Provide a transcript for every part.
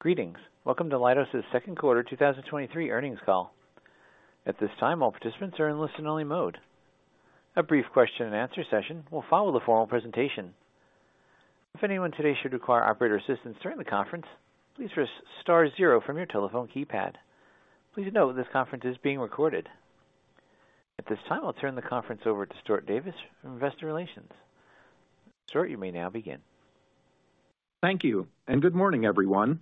Greetings. Welcome to Leidos' Q2 2023 Earnings Call. At this time, all participants are in listen-only mode. A brief question-and-answer session will follow the formal presentation. If anyone today should require operator assistance during the conference, please press star zero from your telephone keypad. Please note, this conference is being recorded. At this time, I'll turn the conference over to Stuart Davis from Investor Relations. Stuart, you may now begin. Thank you. Good morning, everyone.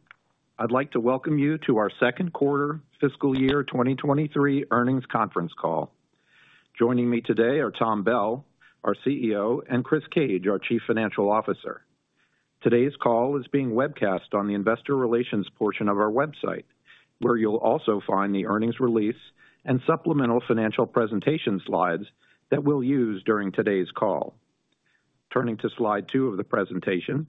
I'd like to welcome you to our Q2 Fiscal Year 2023 Earnings Conference Call. Joining me today are, Thomas Bell, our CEO, and Christopher Cage, our Chief Financial Officer. Today's call is being webcast on the investor relations portion of our website, where you'll also find the earnings release and supplemental financial presentation slides that we'll use during today's call. Turning to slide two of the presentation,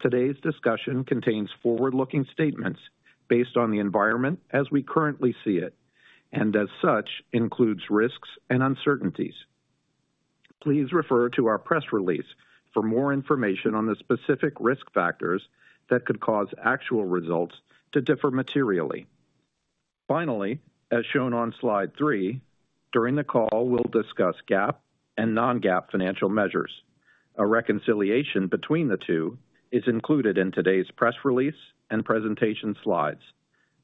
today's discussion contains forward-looking statements based on the environment as we currently see it, and as such, includes risks and uncertainties. Please refer to our press release for more information on the specific risk factors that could cause actual results to differ materially. Finally, as shown on slide three, during the call, we'll discuss GAAP and non-GAAP financial measures. A reconciliation between the two is included in today's press release and presentation slides.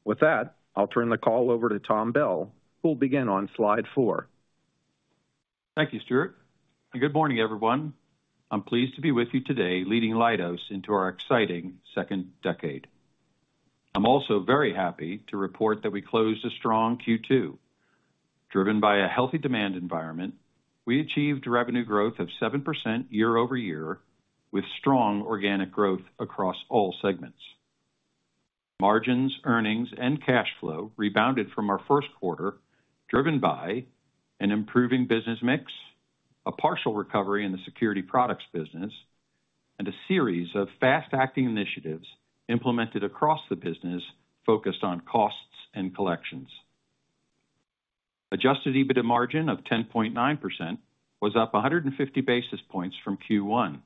With that, I'll turn the call over to Thomas Bell, who'll begin on slide four. Thank you, Stuart, and good morning, everyone. I'm pleased to be with you today, leading Leidos into our exciting second decade. I'm also very happy to report that we closed a strong Q2. Driven by a healthy demand environment, we achieved revenue growth of 7% year-over-year, with strong organic growth across all segments. Margins, earnings, and cash flow rebounded from our Q1, driven by an improving business mix, a partial recovery in the security products business, and a series of fast-acting initiatives implemented across the business focused on costs and collections. Adjusted EBITDA margin of 10.9% was up 150 basis points from Q1,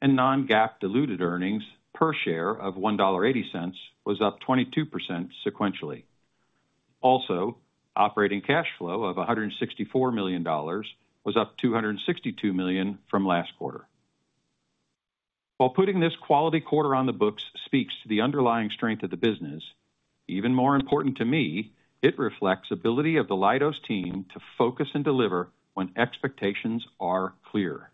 and non-GAAP diluted earnings per share of $1.80 was up 22% sequentially. Also, operating cash flow of $164 million was up $262 million from last quarter. While putting this quality quarter on the books speaks to the underlying strength of the business, even more important to me, it reflects ability of the Leidos team to focus and deliver when expectations are clear.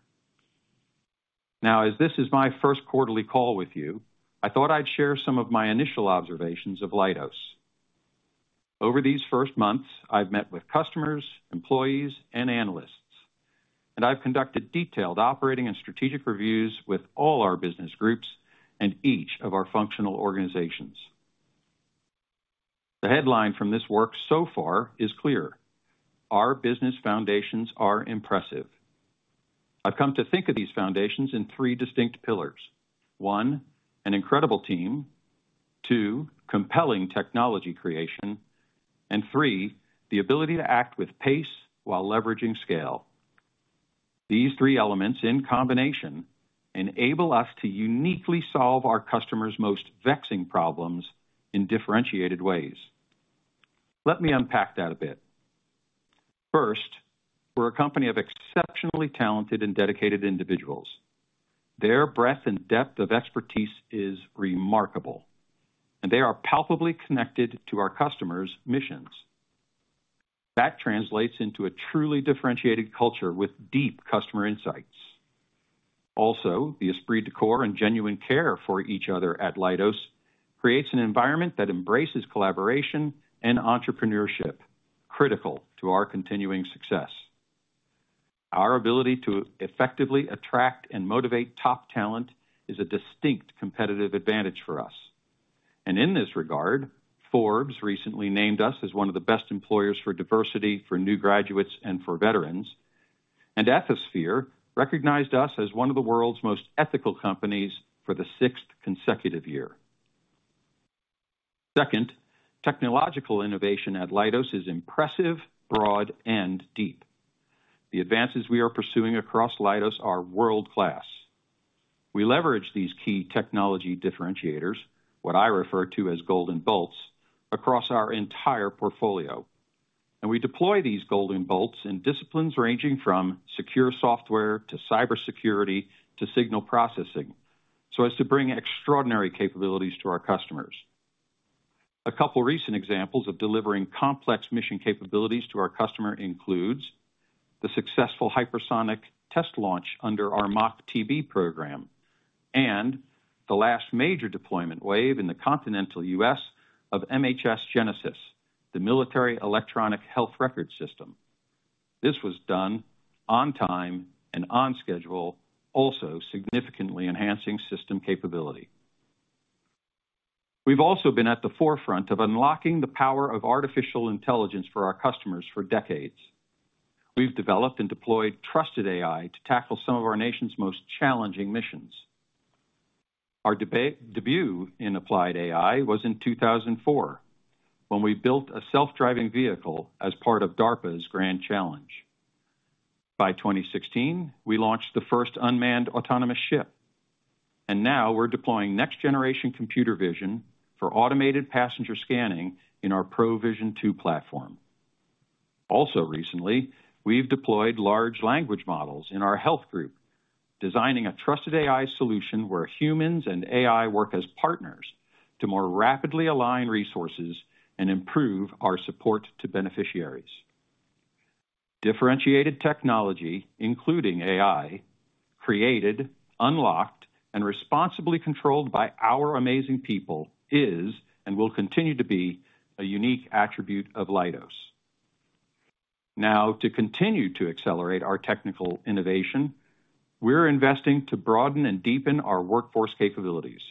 As this is my first quarterly call with you, I thought I'd share some of my initial observations of Leidos. Over these first months, I've met with customers, employees, and analysts, and I've conducted detailed operating and strategic reviews with all our business groups and each of our functional organizations. The headline from this work so far is clear: Our business foundations are impressive. I've come to think of these foundations in three distinct pillars. One, an incredible team, two, compelling technology creation, and three, the ability to act with pace while leveraging scale. These three elements in combination enable us to uniquely solve our customers' most vexing problems in differentiated ways. Let me unpack that a bit. First, we're a company of exceptionally talented and dedicated individuals. Their breadth and depth of expertise is remarkable, and they are palpably connected to our customers' missions. That translates into a truly differentiated culture with deep customer insights. Also, the esprit de corps and genuine care for each other at Leidos creates an environment that embraces collaboration and entrepreneurship, critical to our continuing success. Our ability to effectively attract and motivate top talent is a distinct competitive advantage for us. In this regard, Forbes recently named us as one of the best employers for diversity, for new graduates, and for veterans. Ethisphere recognized us as one of the world's most ethical companies for the sixth consecutive year. Second, technological innovation at Leidos is impressive, broad, and deep. The advances we are pursuing across Leidos are world-class. We leverage these key technology differentiators, what I refer to as golden bolts, across our entire portfolio, and we deploy these golden bolts in disciplines ranging from secure software to cybersecurity to signal processing, so as to bring extraordinary capabilities to our customers. A couple recent examples of delivering complex mission capabilities to our customer includes, the successful hypersonic test launch under our MACH-TB program, and the last major deployment wave in the continental U.S. of MHS GENESIS, the Military Electronic Health Record System. This was done on time and on schedule, also significantly enhancing system capability. We've also been at the forefront of unlocking the power of artificial intelligence for our customers for decades. We've developed and deployed trusted AI to tackle some of our nation's most challenging missions. Our debut in applied AI was in 2004, when we built a self-driving vehicle as part of DARPA Grand Challenge. By 2016, we launched the first unmanned autonomous ship, and now we're deploying next-generation computer vision for automated passenger scanning in our ProVision 2 platform. Also recently, we've deployed large language models in our health group, designing a trusted AI solution where humans and AI work as partners to more rapidly align resources and improve our support to beneficiaries. Differentiated technology, including AI, created, unlocked, and responsibly controlled by our amazing people, is and will continue to be a unique attribute of Leidos. To continue to accelerate our technical innovation, we're investing to broaden and deepen our workforce capabilities.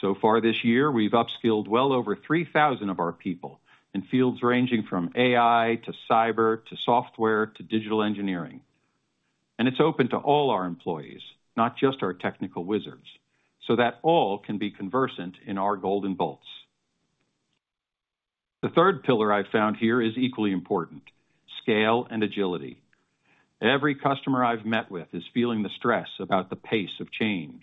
So far this year, we've upskilled well over 3,000 of our people in fields ranging from AI to cyber to software to digital engineering. It's open to all our employees, not just our technical wizards, so that all can be conversant in our golden bolts. The third pillar I've found here is equally important, scale and agility. Every customer I've met with is feeling the stress about the pace of change.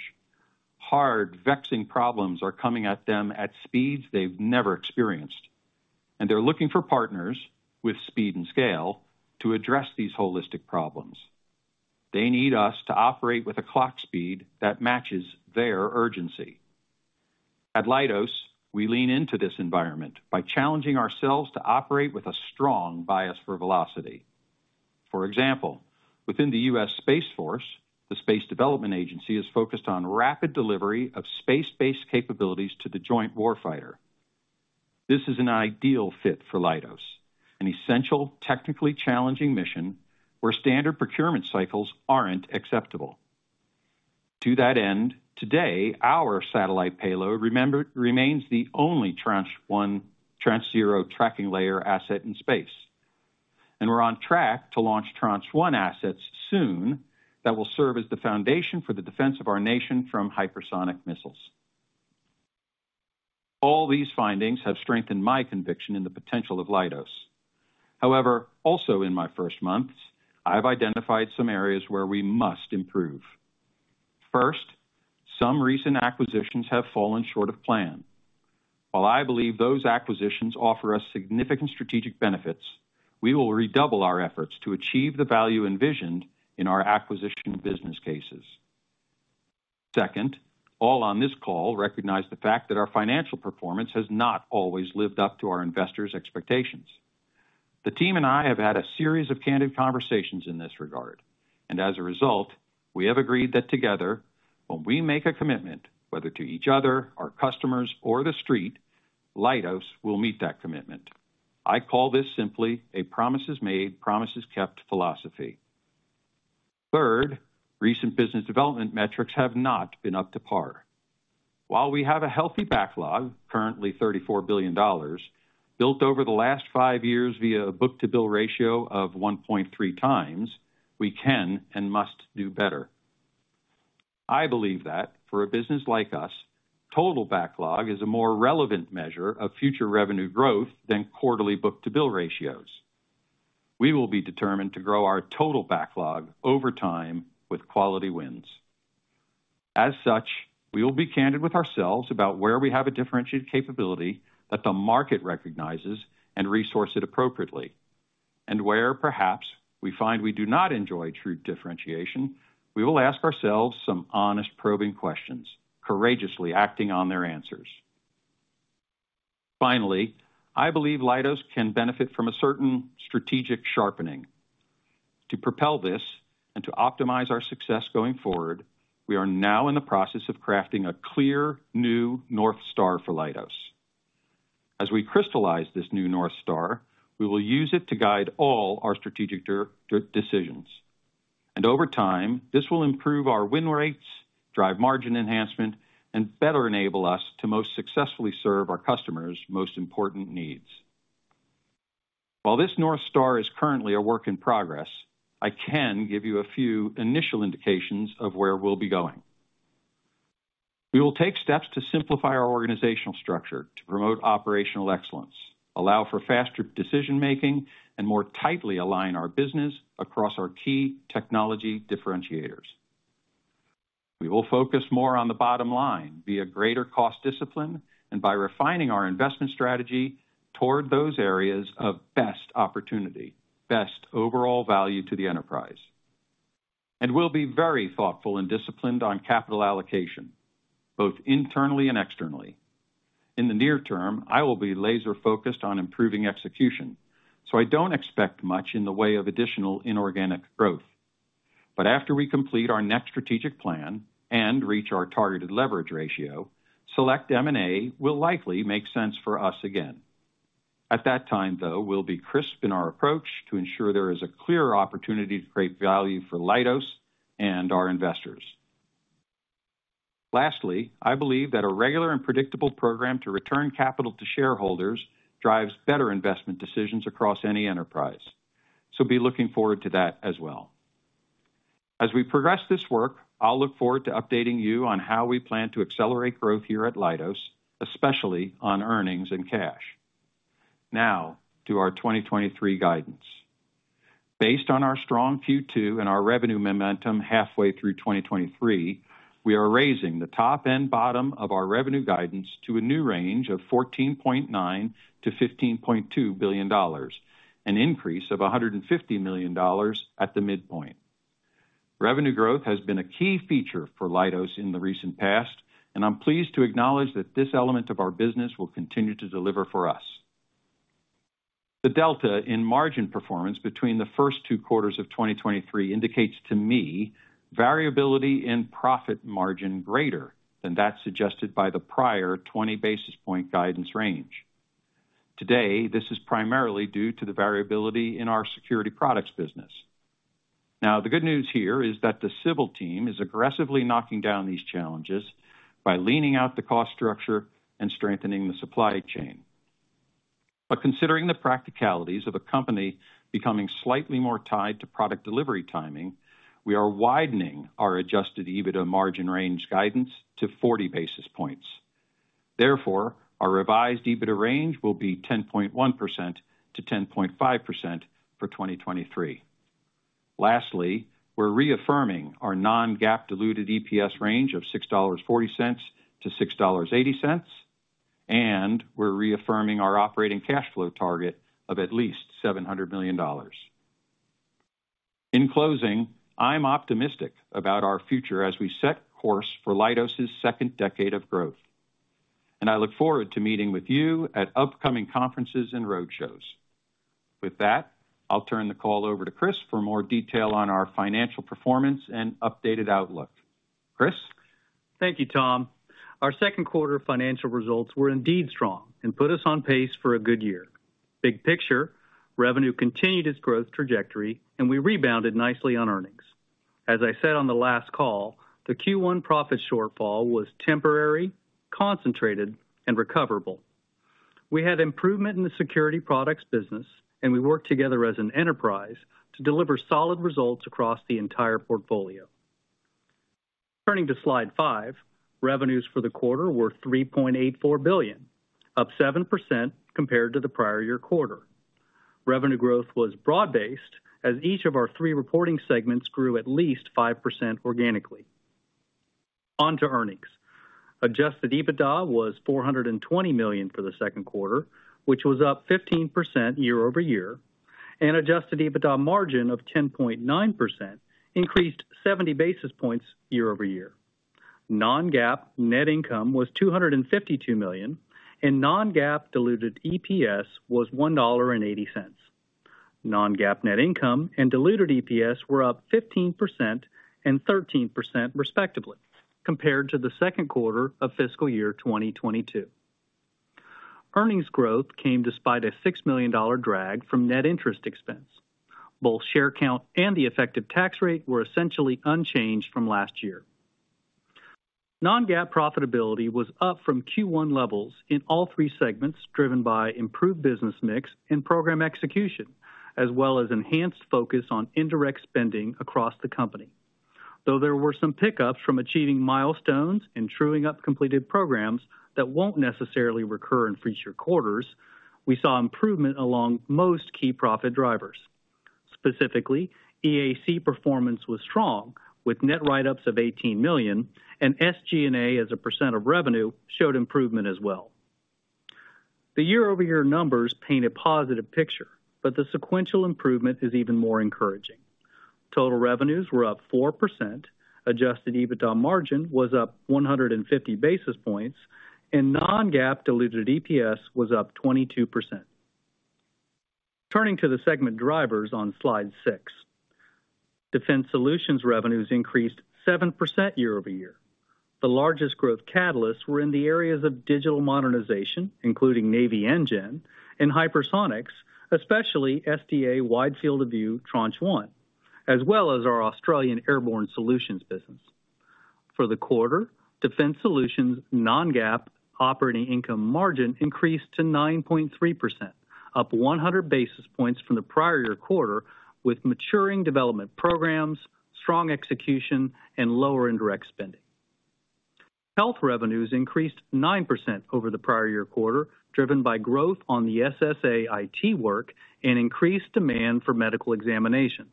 Hard, vexing problems are coming at them at speeds they've never experienced, and they're looking for partners with speed and scale to address these holistic problems. They need us to operate with a clock speed that matches their urgency. At Leidos, we lean into this environment by challenging ourselves to operate with a strong bias for velocity. For example, within the US Space Force, the Space Development Agency is focused on rapid delivery of space-based capabilities to the joint warfighter. This is an ideal fit for Leidos, an essential, technically challenging mission where standard procurement cycles aren't acceptable. To that end, today, our satellite payload remains the only Tranche 1, Tranche 0 tracking layer asset in space, and we're on track to launch Tranche 1 assets soon that will serve as the foundation for the defense of our nation from hypersonic missiles. All these findings have strengthened my conviction in the potential of Leidos. However, also in my first months, I've identified some areas where we must improve. First, some recent acquisitions have fallen short of plan. While I believe those acquisitions offer us significant strategic benefits, we will redouble our efforts to achieve the value envisioned in our acquisition business cases. Second, all on this call recognize the fact that our financial performance has not always lived up to our investors' expectations. The team and I have had a series of candid conversations in this regard, and as a result, we have agreed that together, when we make a commitment, whether to each other, our customers, or the street, Leidos will meet that commitment. I call this simply a promises made, promises kept philosophy. Third, recent business development metrics have not been up to par. While we have a healthy backlog, currently $34 billion, built over the last 5 years via a book-to-bill ratio of 1.3x, we can and must do better. I believe that for a business like us, total backlog is a more relevant measure of future revenue growth than quarterly book-to-bill ratios. We will be determined to grow our total backlog over time with quality wins. As such, we will be candid with ourselves about where we have a differentiated capability that the market recognizes and resource it appropriately, and where perhaps we find we do not enjoy true differentiation, we will ask ourselves some honest, probing questions, courageously acting on their answers. Finally, I believe Leidos can benefit from a certain strategic sharpening. To propel this and to optimize our success going forward, we are now in the process of crafting a clear new North Star for Leidos. As we crystallize this new North Star, we will use it to guide all our strategic decisions, and over time, this will improve our win rates, drive margin enhancement, and better enable us to most successfully serve our customers' most important needs. While this North Star is currently a work in progress, I can give you a few initial indications of where we'll be going. We will take steps to simplify our organizational structure to promote operational excellence, allow for faster decision-making, and more tightly align our business across our key technology differentiators. We will focus more on the bottom line via greater cost discipline and by refining our investment strategy toward those areas of best opportunity, best overall value to the enterprise. We'll be very thoughtful and disciplined on capital allocation, both internally and externally. In the near term, I will be laser-focused on improving execution, so I don't expect much in the way of additional inorganic growth. After we complete our next strategic plan and reach our targeted leverage ratio, select M&A will likely make sense for us again. At that time, though, we'll be crisp in our approach to ensure there is a clear opportunity to create value for Leidos and our investors. Lastly, I believe that a regular and predictable program to return capital to shareholders drives better investment decisions across any enterprise. Be looking forward to that as well. As we progress this work, I'll look forward to updating you on how we plan to accelerate growth here at Leidos, especially on earnings and cash. To our 2023 guidance. Based on our strong Q2 and our revenue momentum halfway through 2023, we are raising the top and bottom of our revenue guidance to a new range of $14.9 billion-$15.2 billion, an increase of $150 million at the midpoint. Revenue growth has been a key feature for Leidos in the recent past, and I'm pleased to acknowledge that this element of our business will continue to deliver for us. The delta in margin performance between the first two quarters of 2023 indicates to me variability in profit margin greater than that suggested by the prior 20 basis point guidance range. Today, this is primarily due to the variability in our security products business. The good news here is that the civil team is aggressively knocking down these challenges by leaning out the cost structure and strengthening the supply chain. Considering the practicalities of a company becoming slightly more tied to product delivery timing, we are widening our Adjusted EBITDA margin range guidance to 40 basis points. Therefore, our revised EBITDA range will be 10.1% to 10.5% for 2023. Lastly, we're reaffirming our non-GAAP diluted EPS range of $6.40-$6.80. We're reaffirming our operating cash flow target of at least $700 million. In closing, I'm optimistic about our future as we set course for Leidos' second decade of growth. I look forward to meeting with you at upcoming conferences and roadshows. With that, I'll turn the call over to Chris for more detail on our financial performance and updated outlook. Chris? Thank you, Tom. Our Q2 financial results were indeed strong and put us on pace for a good year. Big picture, revenue continued its growth trajectory, and we rebounded nicely on earnings. As I said on the last call, the Q1 profit shortfall was temporary, concentrated, and recoverable. We had improvement in the security products business, and we worked together as an enterprise to deliver solid results across the entire portfolio. Turning to slide 5, revenues for the quarter were $3.84 billion, up 7% compared to the prior year quarter. Revenue growth was broad-based as each of our three reporting segments grew at least 5% organically. On to earnings. Adjusted EBITDA was $420 million for the Q2, which was up 15% year-over-year. Adjusted EBITDA margin of 10.9% increased 70 basis points year-over-year. Non-GAAP net income was $252 million, and non-GAAP diluted EPS was $1.80. Non-GAAP net income and diluted EPS were up 15% and 13%, respectively, compared to the Q2 of fiscal year 2022. Earnings growth came despite a $6 million drag from net interest expense. Both share count and the effective tax rate were essentially unchanged from last year. Non-GAAP profitability was up from Q1 levels in all three segments, driven by improved business mix and program execution, as well as enhanced focus on indirect spending across the company. Though there were some pickups from achieving milestones and truing up completed programs that won't necessarily recur in future quarters, we saw improvement along most key profit drivers. Specifically, EAC performance was strong, with net write-ups of $18 million. SG&A, as a percent of revenue, showed improvement as well. The year-over-year numbers paint a positive picture. The sequential improvement is even more encouraging. Total revenues were up 4%, Adjusted EBITDA margin was up 150 basis points. Non-GAAP diluted EPS was up 22%. Turning to the segment drivers on slide six. Defense Solutions revenues increased 7% year-over-year. The largest growth catalysts were in the areas of digital modernization, including Navy NGEN and Hypersonics, especially SDA Wide Field of View Tranche 1, as well as our Airborne Solutions Australia business. For the quarter, Defense Solutions non-GAAP operating income margin increased to 9.3%, up 100 basis points from the prior year quarter, with maturing development programs, strong execution, and lower indirect spending. Health revenues increased 9% over the prior year quarter, driven by growth on the SSA IT work and increased demand for medical examinations.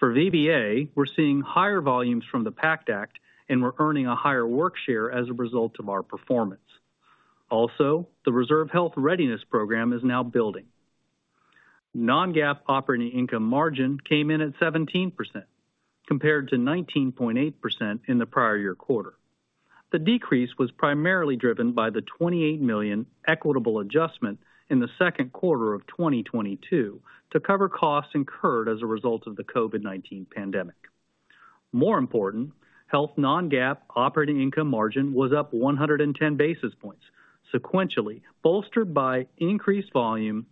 For VBA, we're seeing higher volumes from the PACT Act, and we're earning a higher work share as a result of our performance. Also, the Reserve Health Readiness Program is now building. Non-GAAP operating income margin came in at 17%, compared to 19.8% in the prior year quarter. The decrease was primarily driven by the $28 million equitable adjustment in the Q2 of 2022 to cover costs incurred as a result of the COVID-19 pandemic. More important, Health non-GAAP operating income margin was up 110 basis points, sequentially bolstered by increased volume,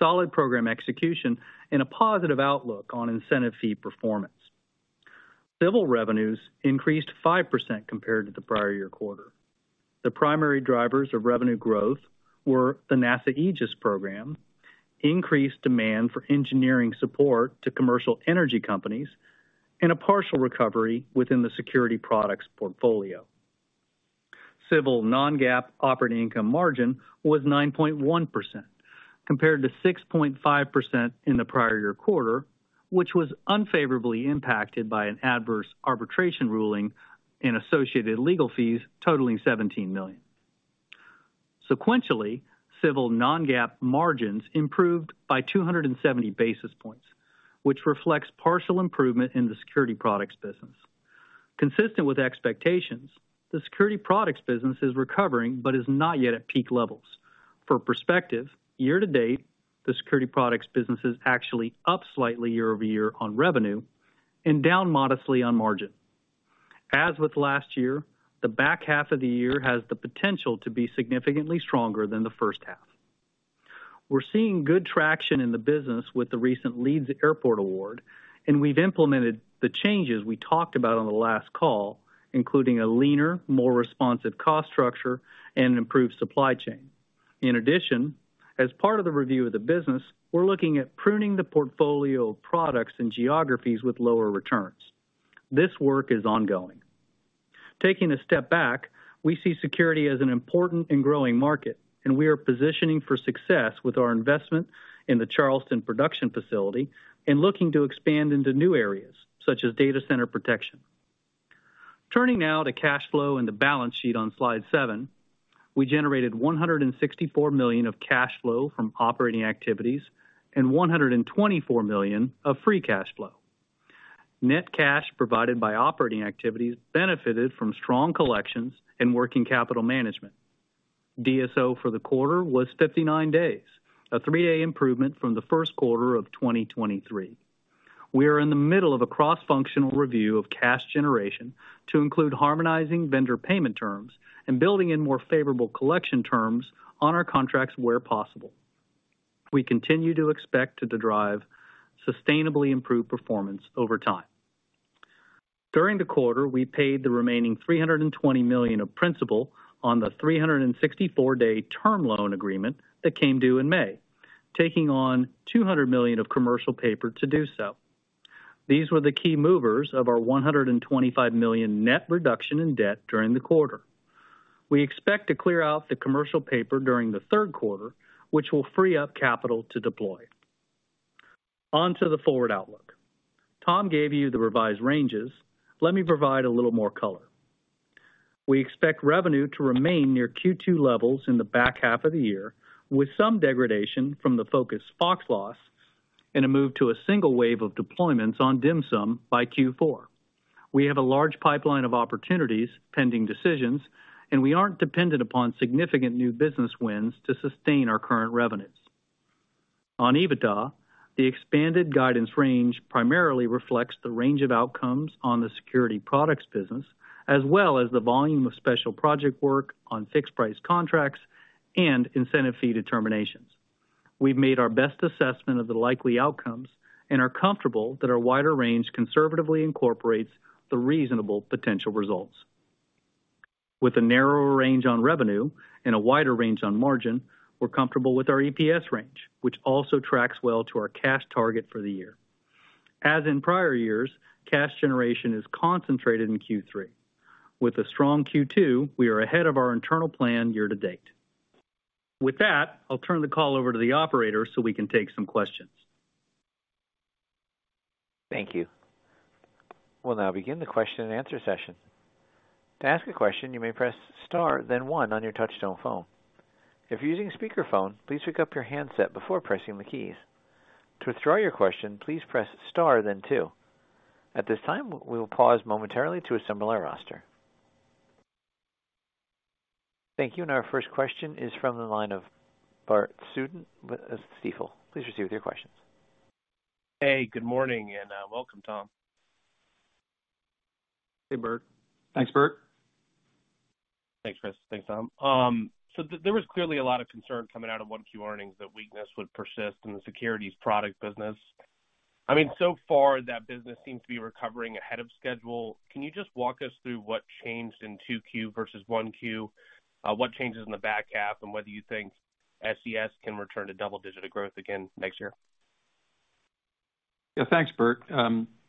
solid program execution, and a positive outlook on incentive fee performance. Civil revenues increased 5% compared to the prior year quarter. The primary drivers of revenue growth were the NASA AEGIS program, increased demand for engineering support to commercial energy companies, and a partial recovery within the security products portfolio. Civil non-GAAP operating income margin was 9.1%, compared to 6.5% in the prior year quarter, which was unfavorably impacted by an adverse arbitration ruling and associated legal fees totaling $17 million. Sequentially, Civil non-GAAP margins improved by 270 basis points, which reflects partial improvement in the security products business. Consistent with expectations, the security products business is recovering but is not yet at peak levels. For perspective, year-to-date, the security products business is actually up slightly year-over-year on revenue and down modestly on margin. As with last year, the back half of the year has the potential to be significantly stronger than the H1. We're seeing good traction in the business with the recent Leeds Airport award, and we've implemented the changes we talked about on the last call, including a leaner, more responsive cost structure and an improved supply chain. In addition, as part of the review of the business, we're looking at pruning the portfolio of products in geographies with lower returns. This work is ongoing. Taking a step back, we see security as an important and growing market, and we are positioning for success with our investment in the Charleston production facility and looking to expand into new areas such as data center protection. Turning now to cash flow and the balance sheet on slide seven. We generated $164 million of cash flow from operating activities and $124 million of free cash flow. Net cash provided by operating activities benefited from strong collections and working capital management. DSO for the quarter was 59 days, a 3-day improvement from the Q1 of 2023. We are in the middle of a cross-functional review of cash generation to include harmonizing vendor payment terms and building in more favorable collection terms on our contracts where possible. We continue to expect to derive sustainably improved performance over time. During the quarter, we paid the remaining $320 million of principal on the 364-day term loan agreement that came due in May, taking on $200 million of commercial paper to do so. These were the key movers of our $125 million net reduction in debt during the quarter. We expect to clear out the commercial paper during the Q3, which will free up capital to deploy. On to the forward outlook. Tom gave you the revised ranges. Let me provide a little more color. We expect revenue to remain near Q2 levels in the back half of the year, with some degradation from the Focus Fox loss and a move to a single wave of deployments on DHMSM by Q4. We have a large pipeline of opportunities pending decisions, and we aren't dependent upon significant new business wins to sustain our current revenues. On EBITDA, the expanded guidance range primarily reflects the range of outcomes on the security products business, as well as the volume of special project work on fixed price contracts and incentive fee determinations. We've made our best assessment of the likely outcomes and are comfortable that our wider range conservatively incorporates the reasonable potential results. With a narrower range on revenue and a wider range on margin, we're comfortable with our EPS range, which also tracks well to our cash target for the year. As in prior years, cash generation is concentrated in Q3. With a strong Q2, we are ahead of our internal plan year to date. With that, I'll turn the call over to the operator so we can take some questions. Thank you. We'll now begin the question and answer session. To ask a question, you may press star, then one on your touchtone phone. If you're using a speakerphone, please pick up your handset before pressing the keys. To withdraw your question, please press star then two. At this time, we will pause momentarily to assemble our roster. Thank you. Our first question is from the line of Bert Subin with Stifel. Please proceed with your questions. Hey, good morning, welcome, Tom. Hey, Bert. Thanks, Bert. Thanks, Chris. Thanks, Tom. There was clearly a lot of concern coming out of Q1 earnings that weakness would persist in the securities product business. I mean, so far, that business seems to be recovering ahead of schedule. Can you just walk us through what changed in Q2 versus Q1? What changes in the back half and whether you think SCS can return to double-digit growth again next year? Yeah, thanks, Bert.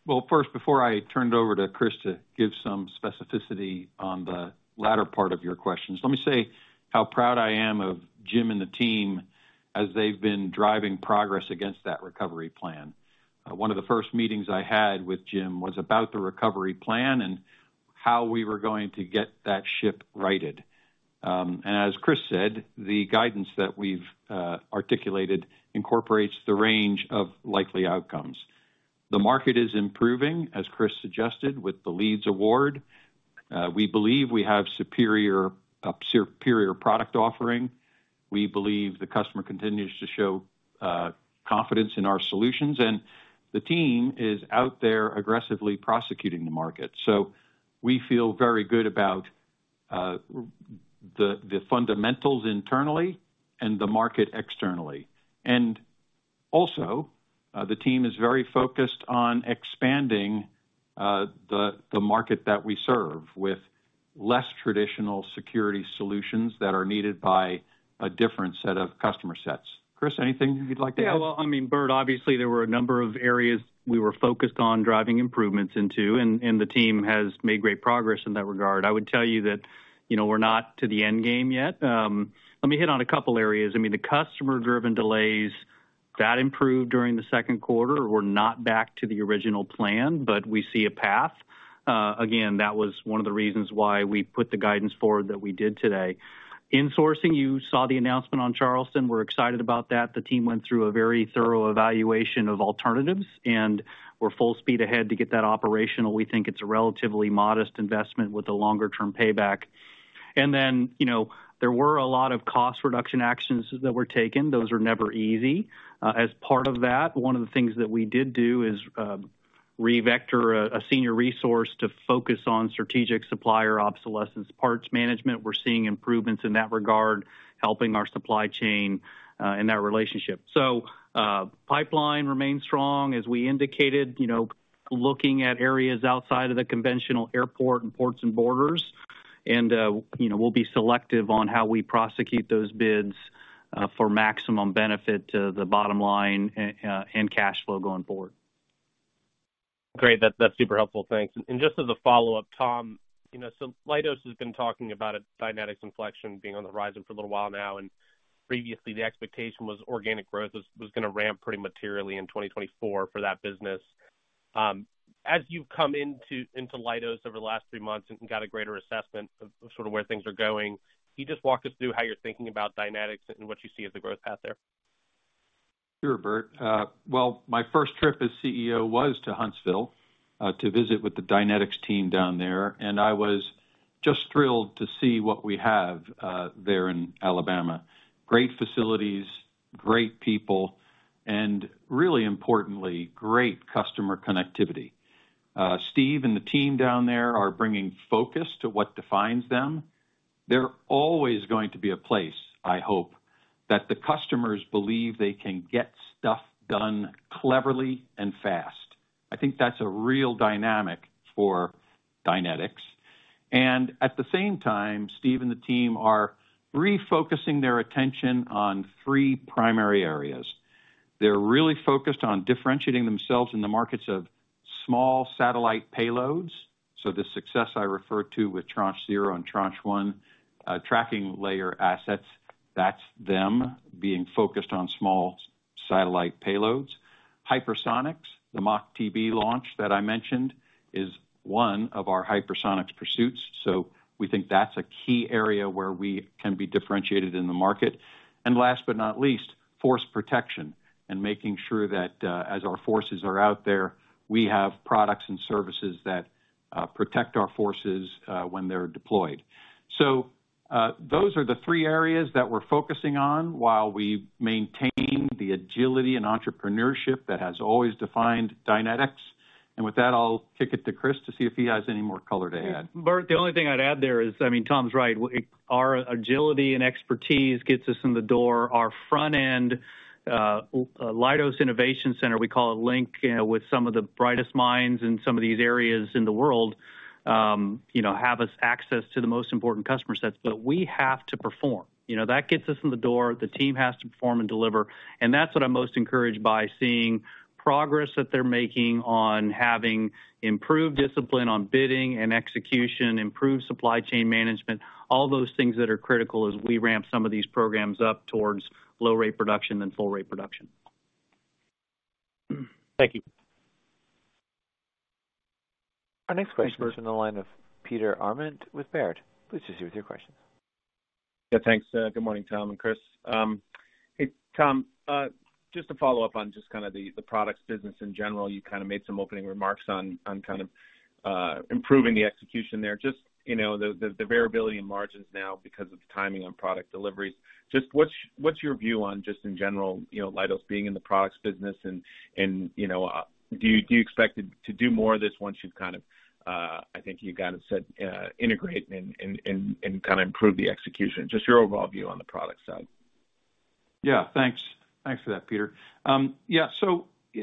Well, first, before I turn it over to Chris to give some specificity on the latter part of your questions, let me say how proud I am of Jim and the team as they've been driving progress against that recovery plan. One of the first meetings I had with Jim was about the recovery plan and how we were going to get that ship righted. As Chris said, the guidance that we've articulated incorporates the range of likely outcomes. The market is improving, as Chris suggested, with the Leeds Award. We believe we have a superior product offering. We believe the customer continues to show confidence in our solutions, and the team is out there aggressively prosecuting the market. We feel very good about the fundamentals internally and the market externally. Also, the team is very focused on expanding the, the market that we serve with less traditional security solutions that are needed by a different set of customer sets. Chris, anything you'd like to add? Yeah, well, I mean, Bert, obviously, there were a number of areas we were focused on driving improvements into, and the team has made great progress in that regard. I would tell you that, you know, we're not to the end game yet. Let me hit on a couple areas. I mean, the customer-driven delays, that improved during the Q2. We're not back to the original plan, we see a path. Again, that was one of the reasons why we put the guidance forward that we did today. In sourcing, you saw the announcement on Charleston. We're excited about that. The team went through a very thorough evaluation of alternatives, we're full speed ahead to get that operational. We think it's a relatively modest investment with a longer-term payback. Then, you know, there were a lot of cost reduction actions that were taken. Those are never easy. As part of that, one of the things that we did do is revector a senior resource to focus on strategic supplier obsolescence parts management. We're seeing improvements in that regard, helping our supply chain in that relationship. Pipeline remains strong, as we indicated, you know, looking at areas outside of the conventional airport and ports and borders. You know, we'll be selective on how we prosecute those bids for maximum benefit to the bottom line and cash flow going forward. Great. That's, that's super helpful. Thanks. Just as a follow-up, Tom, you know, Leidos has been talking about a Dynetics inflection being on the horizon for a little while now, and previously the expectation was organic growth was going to ramp pretty materially in 2024 for that business. As you've come into, into Leidos over the last three months and got a greater assessment of sort of where things are going, can you just walk us through how you're thinking about Dynetics and what you see as the growth path there? Sure, Bert. Well, my first trip as CEO was to Huntsville to visit with the Dynetics team down there. I was just thrilled to see what we have there in Alabama. Great facilities, great people, and really importantly, great customer connectivity. Steve and the team down there are bringing focus to what defines them. They're always going to be a place, I hope, that the customers believe they can get stuff done cleverly and fast. I think that's a real dynamic for Dynetics. At the same time, Steve and the team are refocusing their attention on three primary areas. They're really focused on differentiating themselves in the markets of small satellite payloads. The success I referred to with Tranche 0 and Tranche 1 tracking layer assets, that's them being focused on small satellite payloads. Hypersonics, the MACH-TB launch that I mentioned, is one of our hypersonics pursuits, so we think that's a key area where we can be differentiated in the market. Last but not least, force protection and making sure that, as our forces are out there, we have products and services that protect our forces, when they're deployed. Those are the three areas that we're focusing on while we maintain the agility and entrepreneurship that has always defined Dynetics. With that, I'll kick it to Chris to see if he has any more color to add. Bert, the only thing I'd add there is, I mean, Tom's right. Our agility and expertise gets us in the door. Our front end, Leidos Innovations Center, we call it LINC, you know, with some of the brightest minds in some of these areas in the world, you know, have us access to the most important customer sets, but we have to perform. You know, that gets us in the door. The team has to perform and deliver, and that's what I'm most encouraged by, seeing progress that they're making on having improved discipline on bidding and execution, improved supply chain management, all those things that are critical as we ramp some of these programs up towards low-rate production, then full-rate production. Thank you. Our next question is in the line of Peter Arment with Baird. Please proceed with your question. Yeah, thanks. Good morning, Tom and Chris. Hey, Tom, just to follow up on just kind of the, the products business in general, you kind of made some opening remarks on kind of, improving the execution there. Just, you know, the variability in margins now because of the timing on product deliveries. Just what's, what's your view on, just in general, you know, Leidos being in the products business and, you know, do you expect it to do more of this once you've kind of, I think you kind of said, integrate and kind of improve the execution? Just your overall view on the product side? Yeah, thanks. Thanks for that, Peter. Yeah,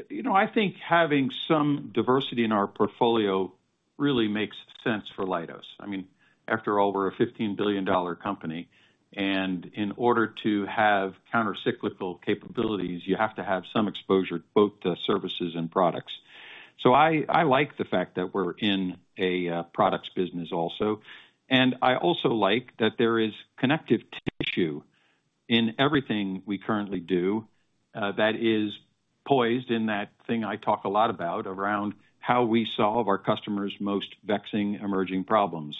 you know, I think having some diversity in our portfolio really makes sense for Leidos. I mean, after all, we're a 15 billion dollar company, in order to have counter-cyclical capabilities, you have to have some exposure to both the services and products. I like the fact that we're in a products business also. I also like that there is connective tissue in everything we currently do, that is poised in that thing I talk a lot about around how we solve our customers' most vexing, emerging problems.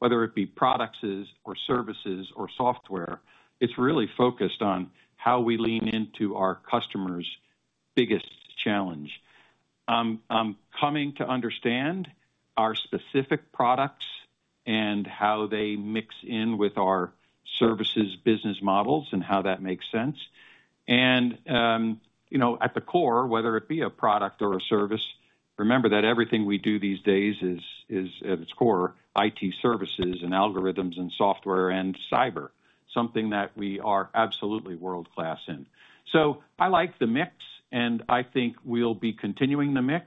Whether it be products or services or software, it's really focused on how we lean into our customers' biggest challenge. I'm coming to understand our specific products and how they mix in with our services, business models and how that makes sense. You know, at the core, whether it be a product or a service, remember that everything we do these days is at its core, IT services and algorithms and software and cyber, something that we are absolutely world-class in. I like the mix, and I think we'll be continuing the mix,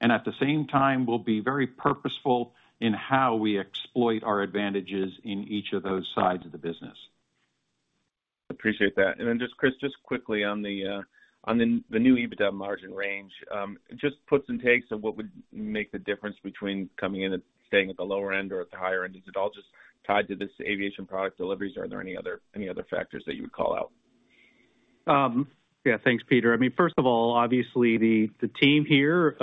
and at the same time, we'll be very purposeful in how we exploit our advantages in each of those sides of the business. Appreciate that. Then just, Chris, just quickly on the new EBITDA margin range, just puts and takes of what would make the difference between coming in and staying at the lower end or at the higher end. Is it all just tied to this aviation product deliveries, or are there any other, any other factors that you would call out? Yeah, thanks, Peter. I mean, first of all, obviously, the, the team here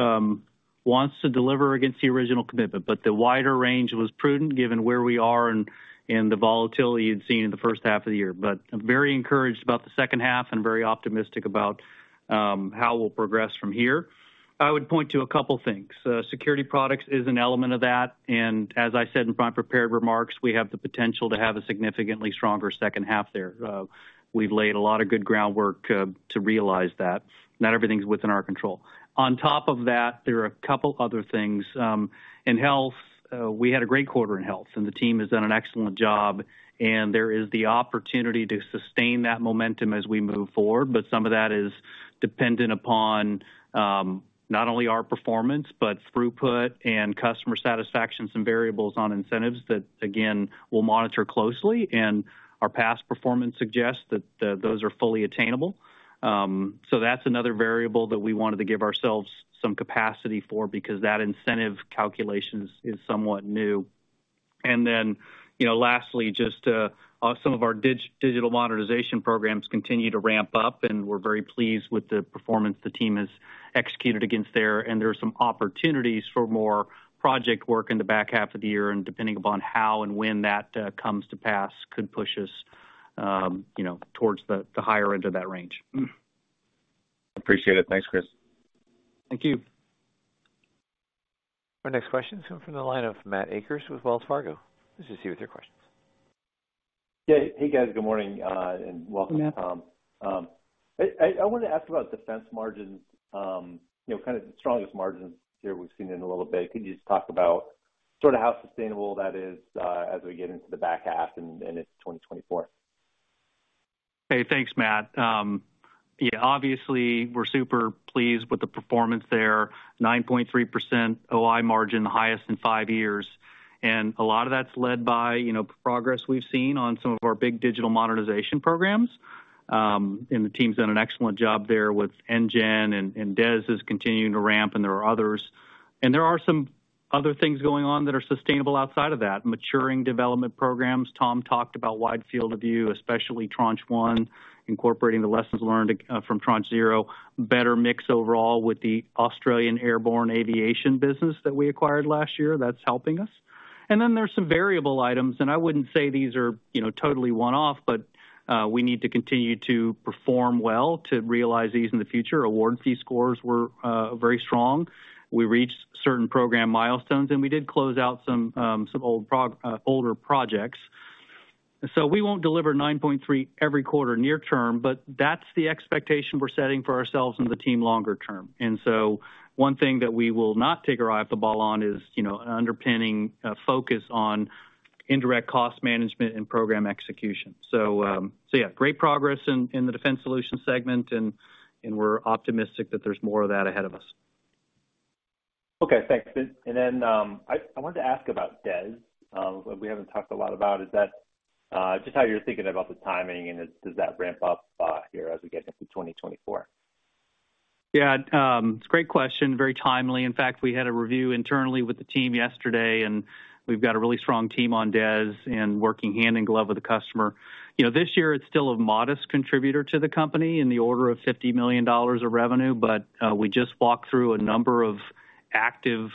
wants to deliver against the original commitment, but the wider range was prudent, given where we are and, and the volatility you'd seen in the first half of the year. I'm very encouraged about the H2 and very optimistic about how we'll progress from here. I would point to a couple things. Security products is an element of that, and as I said in my prepared remarks, we have the potential to have a significantly stronger H2 there. We've laid a lot of good groundwork to realize that. Not everything's within our control. On top of that, there are a couple other things. In health, we had a great quarter in health. The team has done an excellent job. There is the opportunity to sustain that momentum as we move forward. Some of that is dependent upon not only our performance, but throughput and customer satisfaction, some variables on incentives that, again, we'll monitor closely. Our past performance suggests that those are fully attainable. That's another variable that we wanted to give ourselves some capacity for, because that incentive calculations is somewhat new. Then, you know, lastly, just, some of our digital modernization programs continue to ramp up, and we're very pleased with the performance the team has executed against there, and there are some opportunities for more project work in the back half of the year, and depending upon how and when that comes to pass, could push us, you know, towards the higher end of that range. Appreciate it. Thanks, Chris. Thank you. Our next question is coming from the line of Matthew Akers with Wells Fargo. Please proceed with your questions. Yeah. Hey, guys. Good morning, and welcome, Tom. I want to ask about defense margins. You know, kind of the strongest margins here we've seen in a little bit. Could you just talk about sort of how sustainable that is, as we get into the back half and into 2024? Hey, thanks, Matt. Yeah, obviously, we're super pleased with the performance there. 9.3% OI margin, the highest in five years. A lot of that's led by, you know, progress we've seen on some of our big digital modernization programs. The team's done an excellent job there with NGEN, DES is continuing to ramp, there are others. There are some other things going on that are sustainable outside of that. Maturing development programs. Tom talked about Wide Field of View, especially Tranche 1, incorporating the lessons learned from Tranche 0. Better mix overall with the Australian airborne aviation business that we acquired last year, that's helping us. Then there's some variable items, I wouldn't say these are, you know, totally one-off, but we need to continue to perform well to realize these in the future. Award fee scores were very strong. We reached certain program milestones, we did close out some older projects. We won't deliver 9.3 every quarter near term, but that's the expectation we're setting for ourselves and the team longer term. One thing that we will not take our eye off the ball on is, you know, underpinning focus on indirect cost management and program execution. So yeah, great progress in the Defense Solutions segment, and we're optimistic that there's more of that ahead of us. Okay, thanks. I wanted to ask about DES. We haven't talked a lot about just how you're thinking about the timing and does that ramp up here as we get into 2024? Yeah, it's a great question, very timely. In fact, we had a review internally with the team yesterday. We've got a really strong team on DES and working hand in glove with the customer. You know, this year it's still a modest contributor to the company in the order of $50 million of revenue. We just walked through a number of active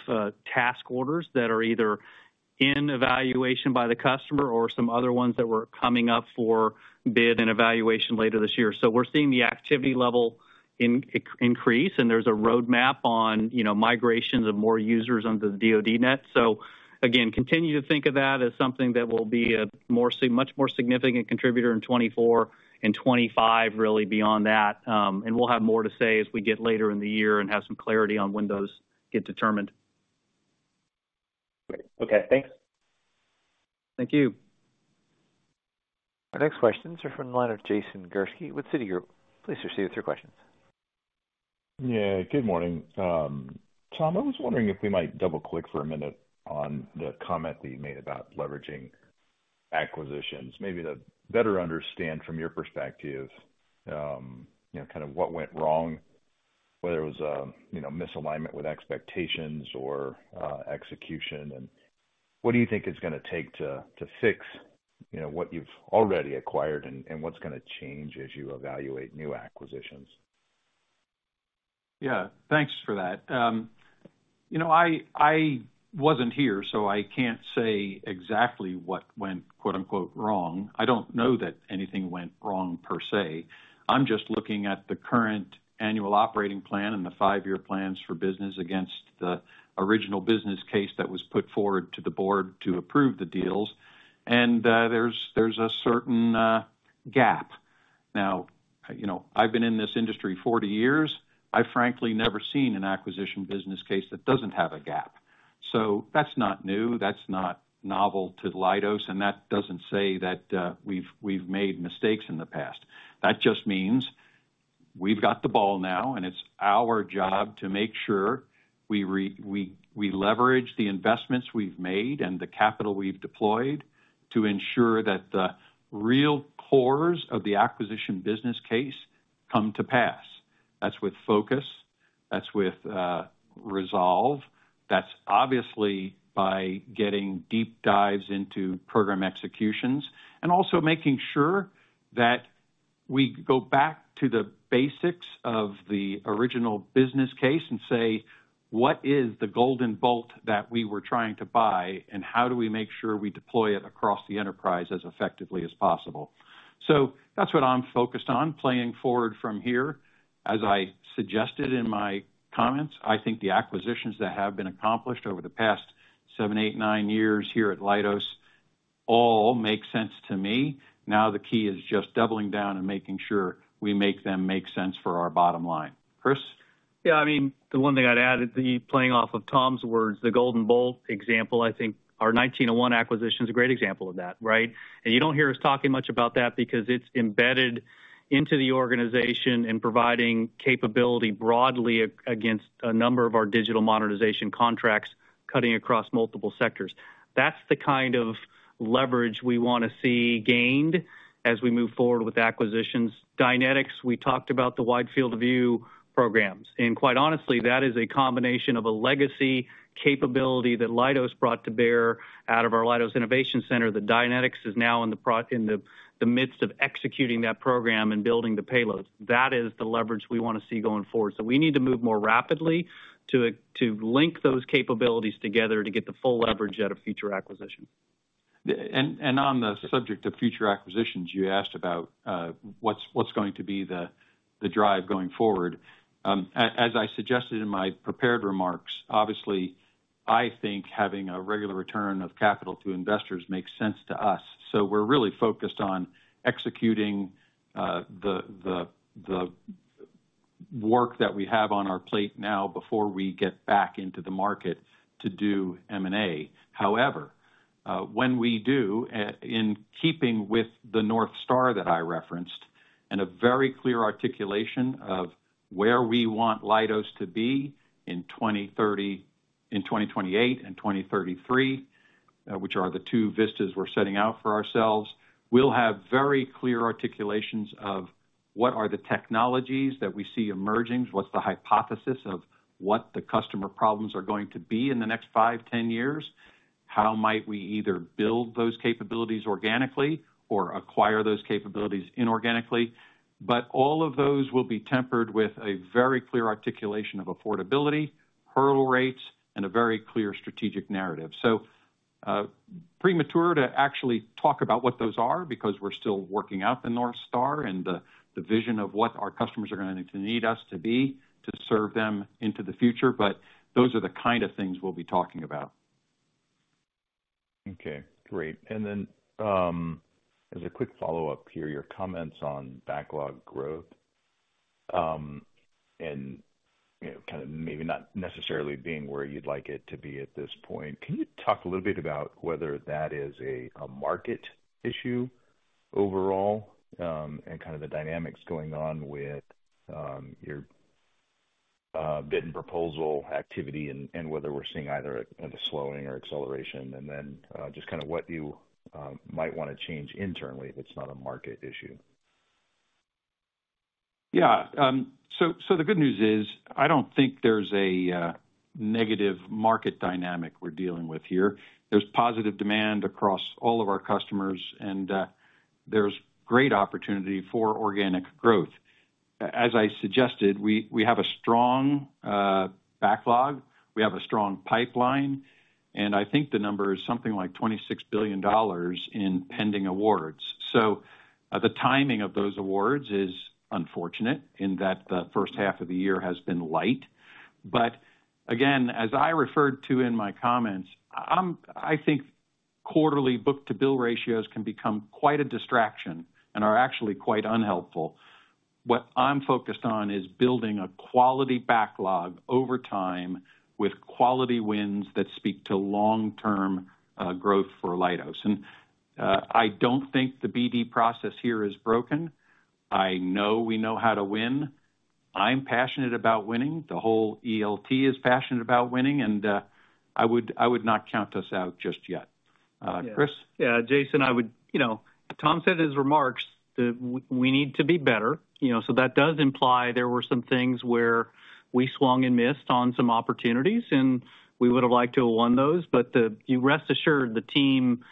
task orders that are either in evaluation by the customer or some other ones that were coming up for bid and evaluation later this year. We're seeing the activity level increase, and there's a roadmap on, you know, migrations of more users onto the DoD net. Again, continue to think of that as something that will be a more, much more significant contributor in 2024 and 2025, really beyond that. We'll have more to say as we get later in the year and have some clarity on when those get determined. Great. Okay, thanks. Thank you. Our next questions are from the line of Jason Gursky with Citigroup. Please proceed with your questions. Yeah, good morning. Tom, I was wondering if we might double-click for a minute on the comment that you made about leveraging acquisitions. Maybe to better understand from your perspective, you know, kind of what went wrong, whether it was, you know, misalignment with expectations or execution, and what do you think it's going to take to fix, you know, what you've already acquired and what's going to change as you evaluate new acquisitions? Yeah, thanks for that. You know, I wasn't here, so I can't say exactly what went, quote, unquote, wrong. I don't know that anything went wrong, per se. I'm just looking at the current annual operating plan and the five-year plans for business against the original business case that was put forward to the board to approve the deals, and there's, there's a certain gap. Now, you know, I've been in this industry 40 years. I've frankly never seen an acquisition business case that doesn't have a gap. So that's not new, that's not novel to Leidos, and that doesn't say that we've made mistakes in the past. That just means we've got the ball now, and it's our job to make sure we, we leverage the investments we've made and the capital we've deployed to ensure that the real cores of the acquisition business case come to pass. That's with focus, that's with resolve. That's obviously by getting deep dives into program executions, and also making sure that we go back to the basics of the original business case and say, what is the golden bolt that we were trying to buy, and how do we make sure we deploy it across the enterprise as effectively as possible? That's what I'm focused on, playing forward from here. As I suggested in my comments, I think the acquisitions that have been accomplished over the past seven, eight, nine years here at Leidos all make sense to me. The key is just doubling down and making sure we make them make sense for our bottom line. Chris? Yeah, I mean, the one thing I'd add is, the playing off of Tom's words, the golden bolts example, I think our 1901 Group acquisition is a great example of that, right? You don't hear us talking much about that because it's embedded into the organization and providing capability broadly against a number of our digital modernization contracts, cutting across multiple sectors. That's the kind of leverage we want to see gained as we move forward with acquisitions. Dynetics, we talked about the Wide Field of View programs, and quite honestly, that is a combination of a legacy capability that Leidos brought to bear out of our Leidos Innovations Center, that Dynetics is now in the midst of executing that program and building the payloads. That is the leverage we want to see going forward. We need to move more rapidly to link those capabilities together to get the full leverage out of future acquisitions. On the subject of future acquisitions, you asked about what's going to be the drive going forward. As I suggested in my prepared remarks, obviously, I think having a regular return of capital to investors makes sense to us. We're really focused on executing the work that we have on our plate now before we get back into the market to do M&A. However, when we do, in keeping with the North Star that I referenced, and a very clear articulation of where we want Leidos to be in 2028 and 2033, which are the two vistas we're setting out for ourselves, we'll have very clear articulations of what are the technologies that we see emerging? What's the hypothesis of what the customer problems are going to be in the next five, 10 years? How might we either build those capabilities organically or acquire those capabilities inorganically? All of those will be tempered with a very clear articulation of affordability, hurdle rates, and a very clear strategic narrative. Premature to actually talk about what those are because we're still working out the North Star and the vision of what our customers are going to need us to be to serve them into the future, but those are the kind of things we'll be talking about. Okay, great. Then, as a quick follow-up here, your comments on backlog growth, and, you know, kind of maybe not necessarily being where you'd like it to be at this point. Can you talk a little bit about whether that is a market issue overall, and kind of the dynamics going on with your bid and proposal activity, and, and whether we're seeing either a, a slowing or acceleration? Just kind of what you might want to change internally if it's not a market issue. Yeah. The good news is, I don't think there's a negative market dynamic we're dealing with here. There's positive demand across all of our customers, and there's great opportunity for organic growth. As I suggested, we have a strong backlog, we have a strong pipeline, and I think the number is something like $26 billion in pending awards. The timing of those awards is unfortunate in that the fiH2 of the year has been light. Again, as I referred to in my comments, I think quarterly book-to-bill ratios can become quite a distraction and are actually quite unhelpful. What I'm focused on is building a quality backlog over time with quality wins that speak to long-term growth for Leidos. I don't think the BD process here is broken. I know we know how to win. I'm passionate about winning. The whole ELT is passionate about winning, and I would not count us out just yet. Chris? Yeah. Jason, I would, you know, Tom said in his remarks that we need to be better. You know, that does imply there were some things where we swung and missed on some opportunities, and we would have liked to have won those. You rest assured, the team,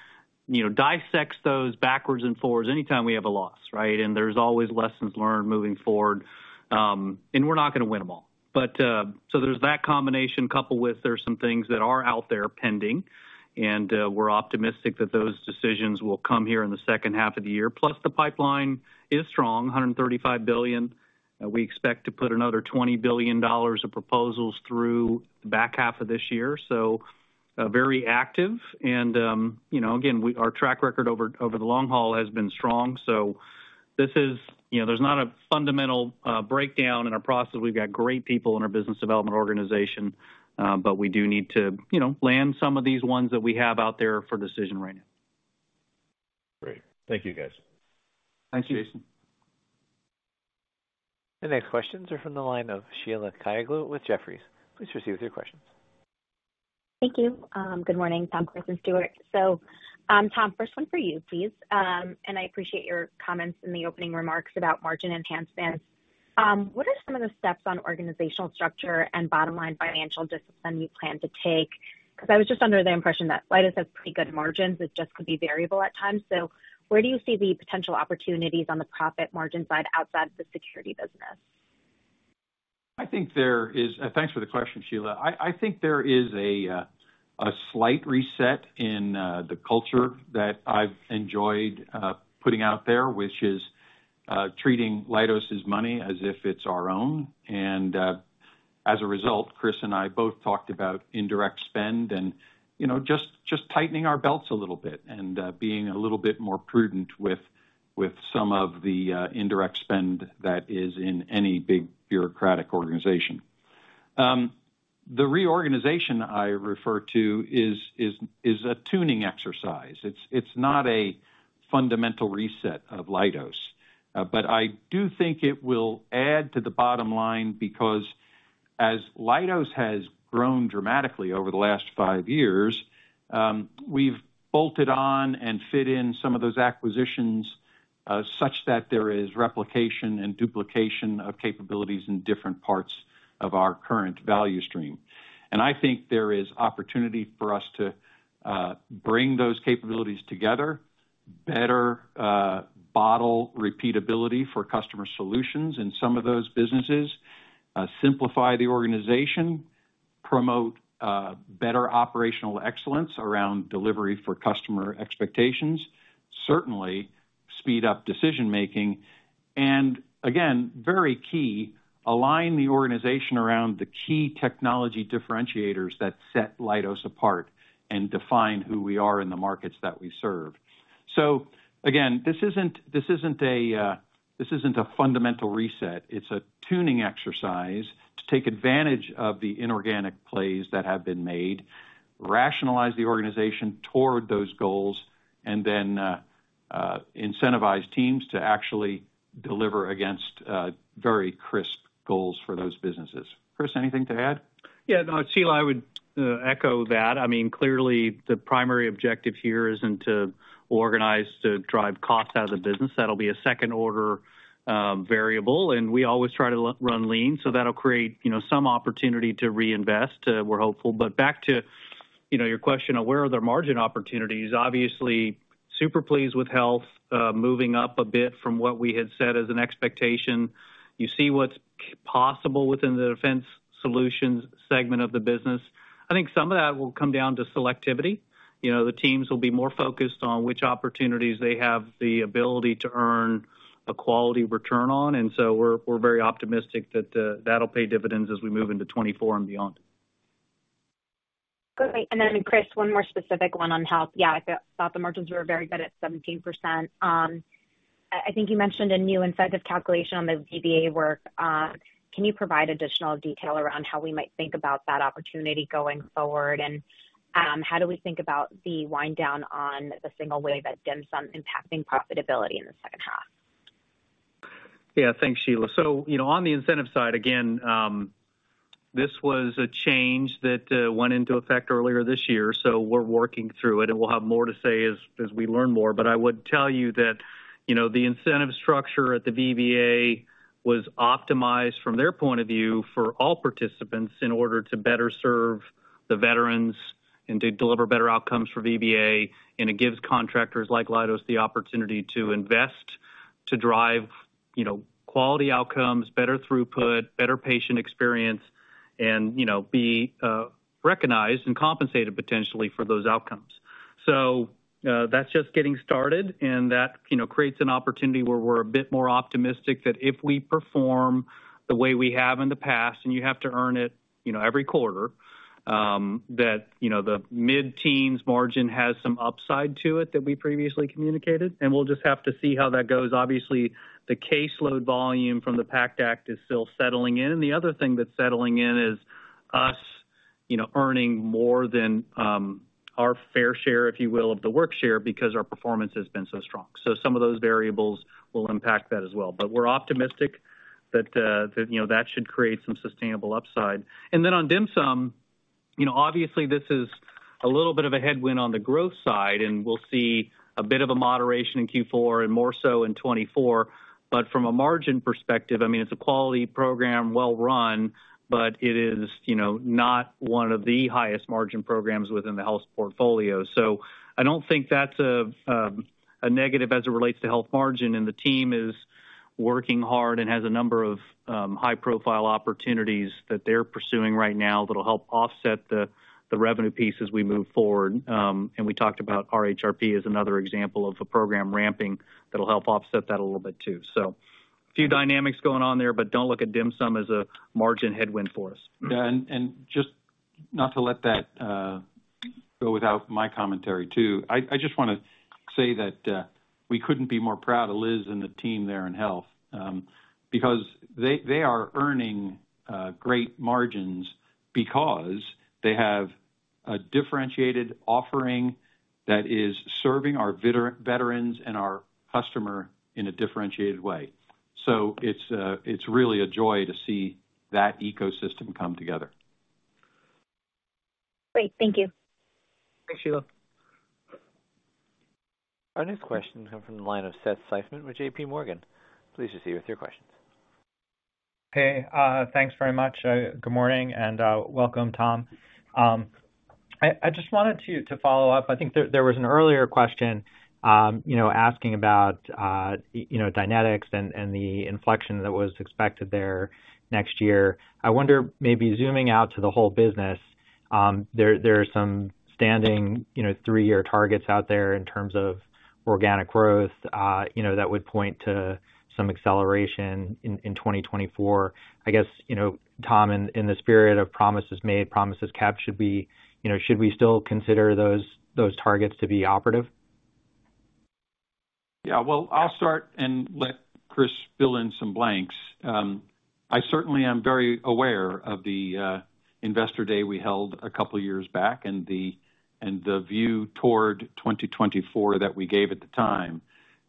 you know, dissects those backwards and forwards anytime we have a loss, right? There's always lessons learned moving forward. We're not going to win them all. There's that combination, coupled with there are some things that are out there pending, and we're optimistic that those decisions will come here in the H2 of the year. Plus, the pipeline is strong, $135 billion. We expect to put another $20 billion of proposals through the back half of this year. Very active. You know, again, our track record over, over the long haul has been strong. This is, you know, there's not a fundamental breakdown in our process. We've got great people in our business development organization, but we do need to, you know, land some of these ones that we have out there for decision right now. Great. Thank you, guys. Thanks, Jason. The next questions are from the line of Sheila Kahyaoglu with Jefferies. Please proceed with your questions. Thank you. Good morning, Tom, Chris, and Stuart. Tom, first one for you, please. I appreciate your comments in the opening remarks about margin enhancements. What are some of the steps on organizational structure and bottom-line financial discipline you plan to take? Because I was just under the impression that Leidos has pretty good margins, it just could be variable at times. Where do you see the potential opportunities on the profit margin side outside of the security business? Thanks for the question, Sheila. I think there is a slight reset in the culture that I've enjoyed putting out there, which is treating Leidos' money as if it's our own. As a result, Chris and I both talked about indirect spend and, you know, just, just tightening our belts a little bit and being a little bit more prudent with some of the indirect spend that is in any big bureaucratic organization. The reorganization I refer to is a tuning exercise. It's, it's not a fundamental reset of Leidos. I do think it will add to the bottom line, because as Leidos has grown dramatically over the last five years, we've bolted on and fit in some of those acquisitions, such that there is replication and duplication of capabilities in different parts of our current value stream. I think there is opportunity for us to bring those capabilities together, better, bottle repeatability for customer solutions in some of those businesses, simplify the organization, promote better operational excellence around delivery for customer expectations, certainly speed up decision-making. Again, very key, align the organization around the key technology differentiators that set Leidos apart and define who we are in the markets that we serve. Again, this isn't a fundamental reset. It's a tuning exercise to take advantage of the inorganic plays that have been made, rationalize the organization toward those goals, and then incentivize teams to actually deliver against very crisp goals for those businesses. Chris, anything to add? Yeah. No, Sheila, I would echo that. I mean, clearly, the primary objective here isn't to organize, to drive cost out of the business. That'll be a second order variable, and we always try to run lean, so that'll create, you know, some opportunity to reinvest, we're hopeful. Back to, you know, your question on where are there margin opportunities? Obviously, super pleased with health, moving up a bit from what we had said as an expectation. You see what's possible within the Defense Solutions segment of the business. I think some of that will come down to selectivity. You know, the teams will be more focused on which opportunities they have the ability to earn a quality return on. So we're, we're very optimistic that that'll pay dividends as we move into 2024 and beyond. Great. Chris, one more specific one on health. Yeah, I thought the margins were very good at 17%. I think you mentioned a new incentive calculation on the VBA work. Can you provide additional detail around how we might think about that opportunity going forward? How do we think about the wind down on the single way that DHMSM impacting profitability in the H2? Yeah, thanks, Sheila. You know, on the incentive side, again, this was a change that went into effect earlier this year, so we're working through it, and we'll have more to say as, as we learn more. I would tell you that, you know, the incentive structure at the VBA was optimized from their point of view for all participants in order to better serve the veterans and to deliver better outcomes for VBA. It gives contractors, like Leidos, the opportunity to invest, to drive, you know, quality outcomes, better throughput, better patient experience, and, you know, be recognized and compensated potentially for those outcomes. That's just getting started, and that, you know, creates an opportunity where we're a bit more optimistic that if we perform the way we have in the past, and you have to earn it, you know, every quarter, that, you know, the mid-teens margin has some upside to it than we previously communicated, and we'll just have to see how that goes. Obviously, the caseload volume from the PACT Act is still settling in. The other thing that's settling in is us, you know, earning more than our fair share, if you will, of the work share, because our performance has been so strong. Some of those variables will impact that as well. We're optimistic that, you know, that should create some sustainable upside. Then on DHMSM, you know, obviously this is a little bit of a headwind on the growth side, and we'll see a bit of a moderation in Q4 and more so in 2024. From a margin perspective, I mean, it's a quality program, well run, but it is, you know, not one of the highest margin programs within the health portfolio. I don't think that's a negative as it relates to health margin, and the team is working hard and has a number of high-profile opportunities that they're pursuing right now that will help offset the revenue piece as we move forward. We talked about RHRP as another example of a program ramping that'll help offset that a little bit, too. A few dynamics going on there, but don't look at DHMSM as a margin headwind for us. Yeah, not to let that go without my commentary, too. I just want to say that we couldn't be more proud of Liz and the team there in health, because they, they are earning great margins because they have a differentiated offering that is serving our veterans and our customer in a differentiated way. It's really a joy to see that ecosystem come together. Great. Thank you. Thanks, Sheila. Our next question come from the line of Seth Seifman with JPMorgan. Please proceed with your questions. Hey, thanks very much. Good morning, and welcome, Tom. I just wanted to follow up. I think there was an earlier question, you know, asking about, you know, Dynetics and the inflection that was expected there next year. I wonder, maybe zooming out to the whole business, there are some standing, you know, three-year targets out there in terms of organic growth, you know, that would point to some acceleration in 2024. I guess, you know, Tom, in the spirit of promises made, promises kept, should we, you know, should we still consider those, those targets to be operative? Yeah, well, I'll start and let Chris fill in some blanks. I certainly am very aware of the investor day we held a couple of years back and the, and the view toward 2024 that we gave at the time.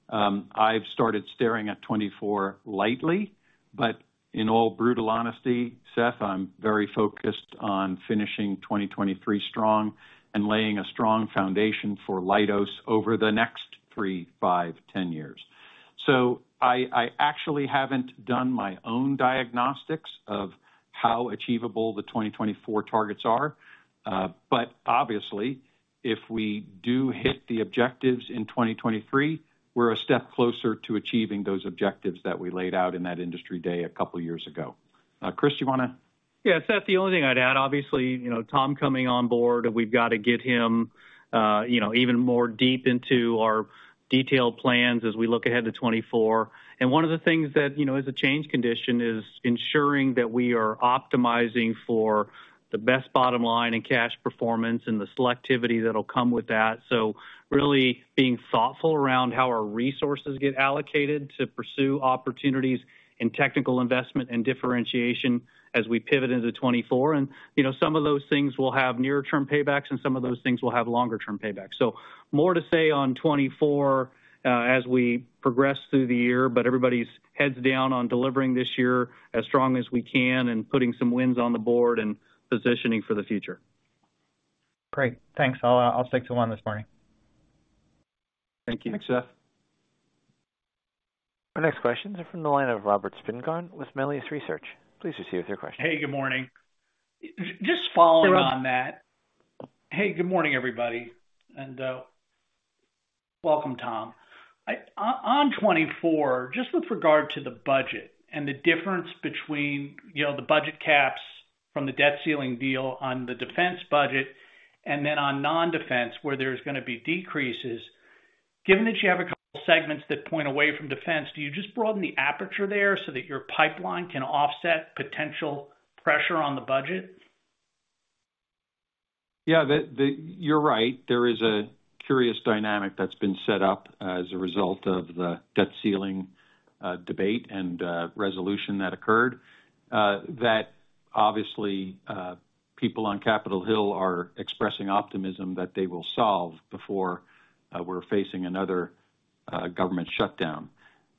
I've started staring at 2024 lightly, but in all brutal honesty, Seth, I'm very focused on finishing 2023 strong and laying a strong foundation for Leidos over the next three, five, 10 years. I actually haven't done my own diagnostics of how achievable the 2024 targets are. Obviously, if we do hit the objectives in 2023, we're a step closer to achieving those objectives that we laid out in that industry day a couple of years ago. Chris, you want to? Yeah, Seth, the only thing I'd add, obviously, you know, Tom coming on board, we've got to get him, you know, even more deep into our detailed plans as we look ahead to 2024. One of the things that, you know, as a change condition, is ensuring that we are optimizing for the best bottom line and cash performance and the selectivity that'll come with that. Really being thoughtful around how our resources get allocated to pursue opportunities in technical investment and differentiation as we pivot into 2024. You know, some of those things will have near-term paybacks, and some of those things will have longer-term paybacks. More to say on 2024, as we progress through the year, but everybody's heads down on delivering this year as strong as we can and putting some wins on the board and positioning for the future. Great. Thanks. I'll stick to one this morning. Thank you. Thanks, Seth. Our next questions are from the line of Robert Spingarn with Melius Research. Please proceed with your question. Hey, good morning. Just following on that. Hello. Hey, good morning, everybody, welcome, Tom. On 2024, just with regard to the budget and the difference between, you know, the budget caps from the debt ceiling deal on the defense budget and then on non-defense, where there's going to be decreases. Given that you have a couple segments that point away from defense, do you just broaden the aperture there so that your pipeline can offset potential pressure on the budget? Yeah. You're right. There is a curious dynamic that's been set up as a result of the debt ceiling debate and resolution that occurred, that obviously, people on Capitol Hill are expressing optimism that they will solve before we're facing another government shutdown.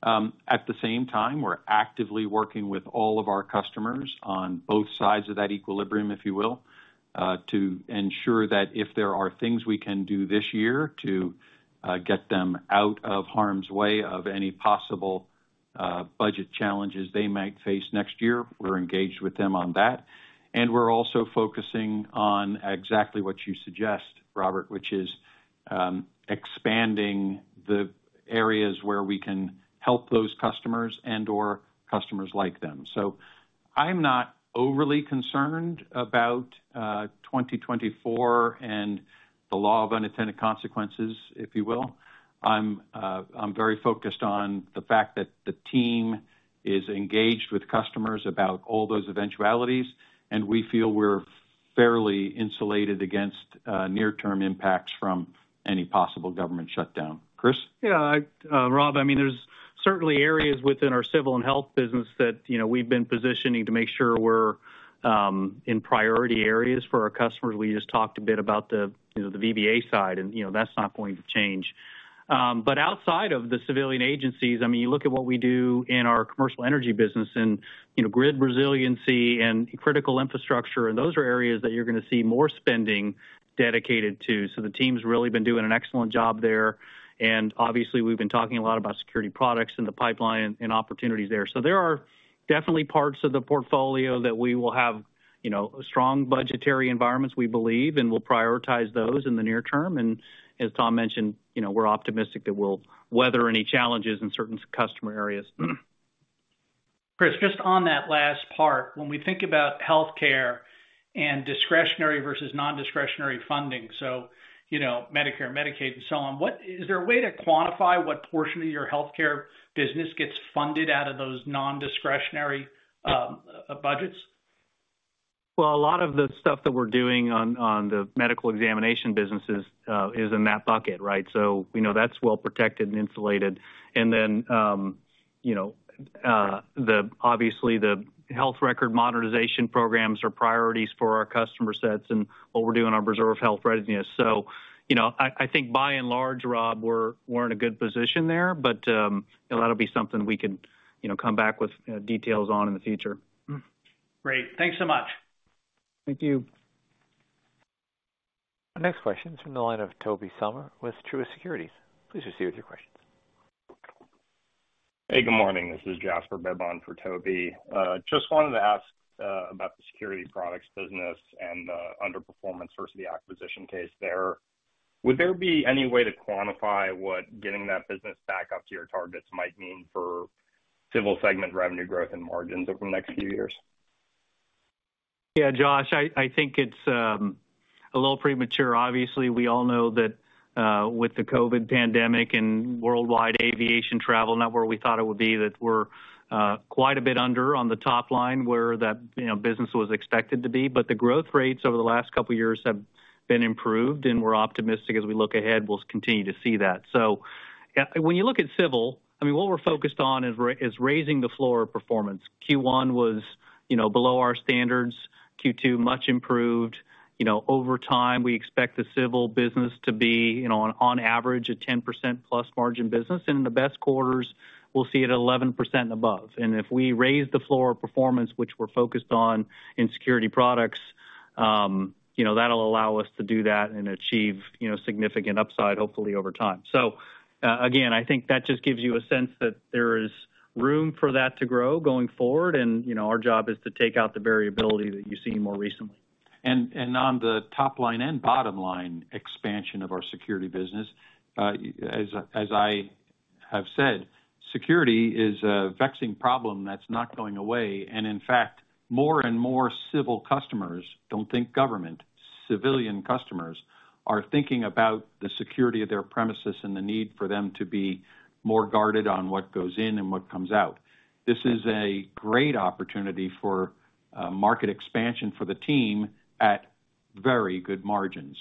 At the same time, we're actively working with all of our customers on both sides of that equilibrium, if you will, to ensure that if there are things we can do this year to get them out of harm's way of any possible budget challenges they might face next year, we're engaged with them on that. We're also focusing on exactly what you suggest, Robert, which is, expanding the areas where we can help those customers and or customers like them. I'm not overly concerned about 2024 and the law of unintended consequences, if you will. I'm very focused on the fact that the team is engaged with customers about all those eventualities, and we feel we're fairly insulated against, near-term impacts from any possible government shutdown. Chris? Yeah. Rob, I mean, there's certainly areas within our civil and health business that, you know, we've been positioning to make sure we're in priority areas for our customers. We just talked a bit about the, you know, the VBA side, and, you know, that's not going to change. Outside of the civilian agencies, I mean, you look at what we do in our commercial energy business and, you know, grid resiliency and critical infrastructure, and those are areas that you're going to see more spending dedicated to. The team's really been doing an excellent job there, and obviously, we've been talking a lot about security products in the pipeline and opportunities there. There are definitely parts of the portfolio that we will have, you know, strong budgetary environments, we believe, and we'll prioritize those in the near term. As Tom mentioned, you know, we're optimistic that we'll weather any challenges in certain customer areas. Chris, just on that last part, when we think about healthcare and discretionary versus non-discretionary funding, so, you know, Medicare, Medicaid, and so on, what- is there a way to quantify what portion of your healthcare business gets funded out of those non-discretionary budgets? Well, a lot of the stuff that we're doing on, on the medical examination businesses is in that bucket, right? You know, that's well protected and insulated. Then, you know, obviously, the health record modernization programs are priorities for our customer sets and what we're doing on our reserve health readiness. You know, I think by and large, Rob, we're, we're in a good position there, but that'll be something we can, you know, come back with, you know, details on in the future. Great. Thanks so much. Thank you. The next question is from the line of Tobey Sommer with Truist Securities. Please proceed with your questions. Hey, good morning. This is Jasper Bibb for Tobey Sommer. Just wanted to ask about the security products business and underperformance versus the acquisition case there. Would there be any way to quantify what getting that business back up to your targets might mean for civil segment revenue growth and margins over the next few years? Yeah, Josh, I think it's a little premature. Obviously, we all know that with the COVID pandemic and worldwide aviation travel, not where we thought it would be, that we're quite a bit under on the top line where that, you know, business was expected to be. The growth rates over the last couple of years have been improved, and we're optimistic as we look ahead, we'll continue to see that. Yeah, when you look at civil, I mean, what we're focused on is raising the floor of performance. Q1 was, you know, below our standards, Q2, much improved. You know, over time, we expect the civil business to be, you know, on average, a 10% plus margin business, and in the best quarters, we'll see it 11% above. If we raise the floor of performance, which we're focused on in security products, you know, that'll allow us to do that and achieve, you know, significant upside, hopefully over time. Again, I think that just gives you a sense that there is room for that to grow going forward, and, you know, our job is to take out the variability that you've seen more recently. On the top line and bottom line expansion of our security business, as I have said, security is a vexing problem that's not going away. In fact, more and more civil customers don't think government, civilian customers are thinking about the security of their premises and the need for them to be more guarded on what goes in and what comes out. This is a great opportunity for market expansion for the team at very good margins.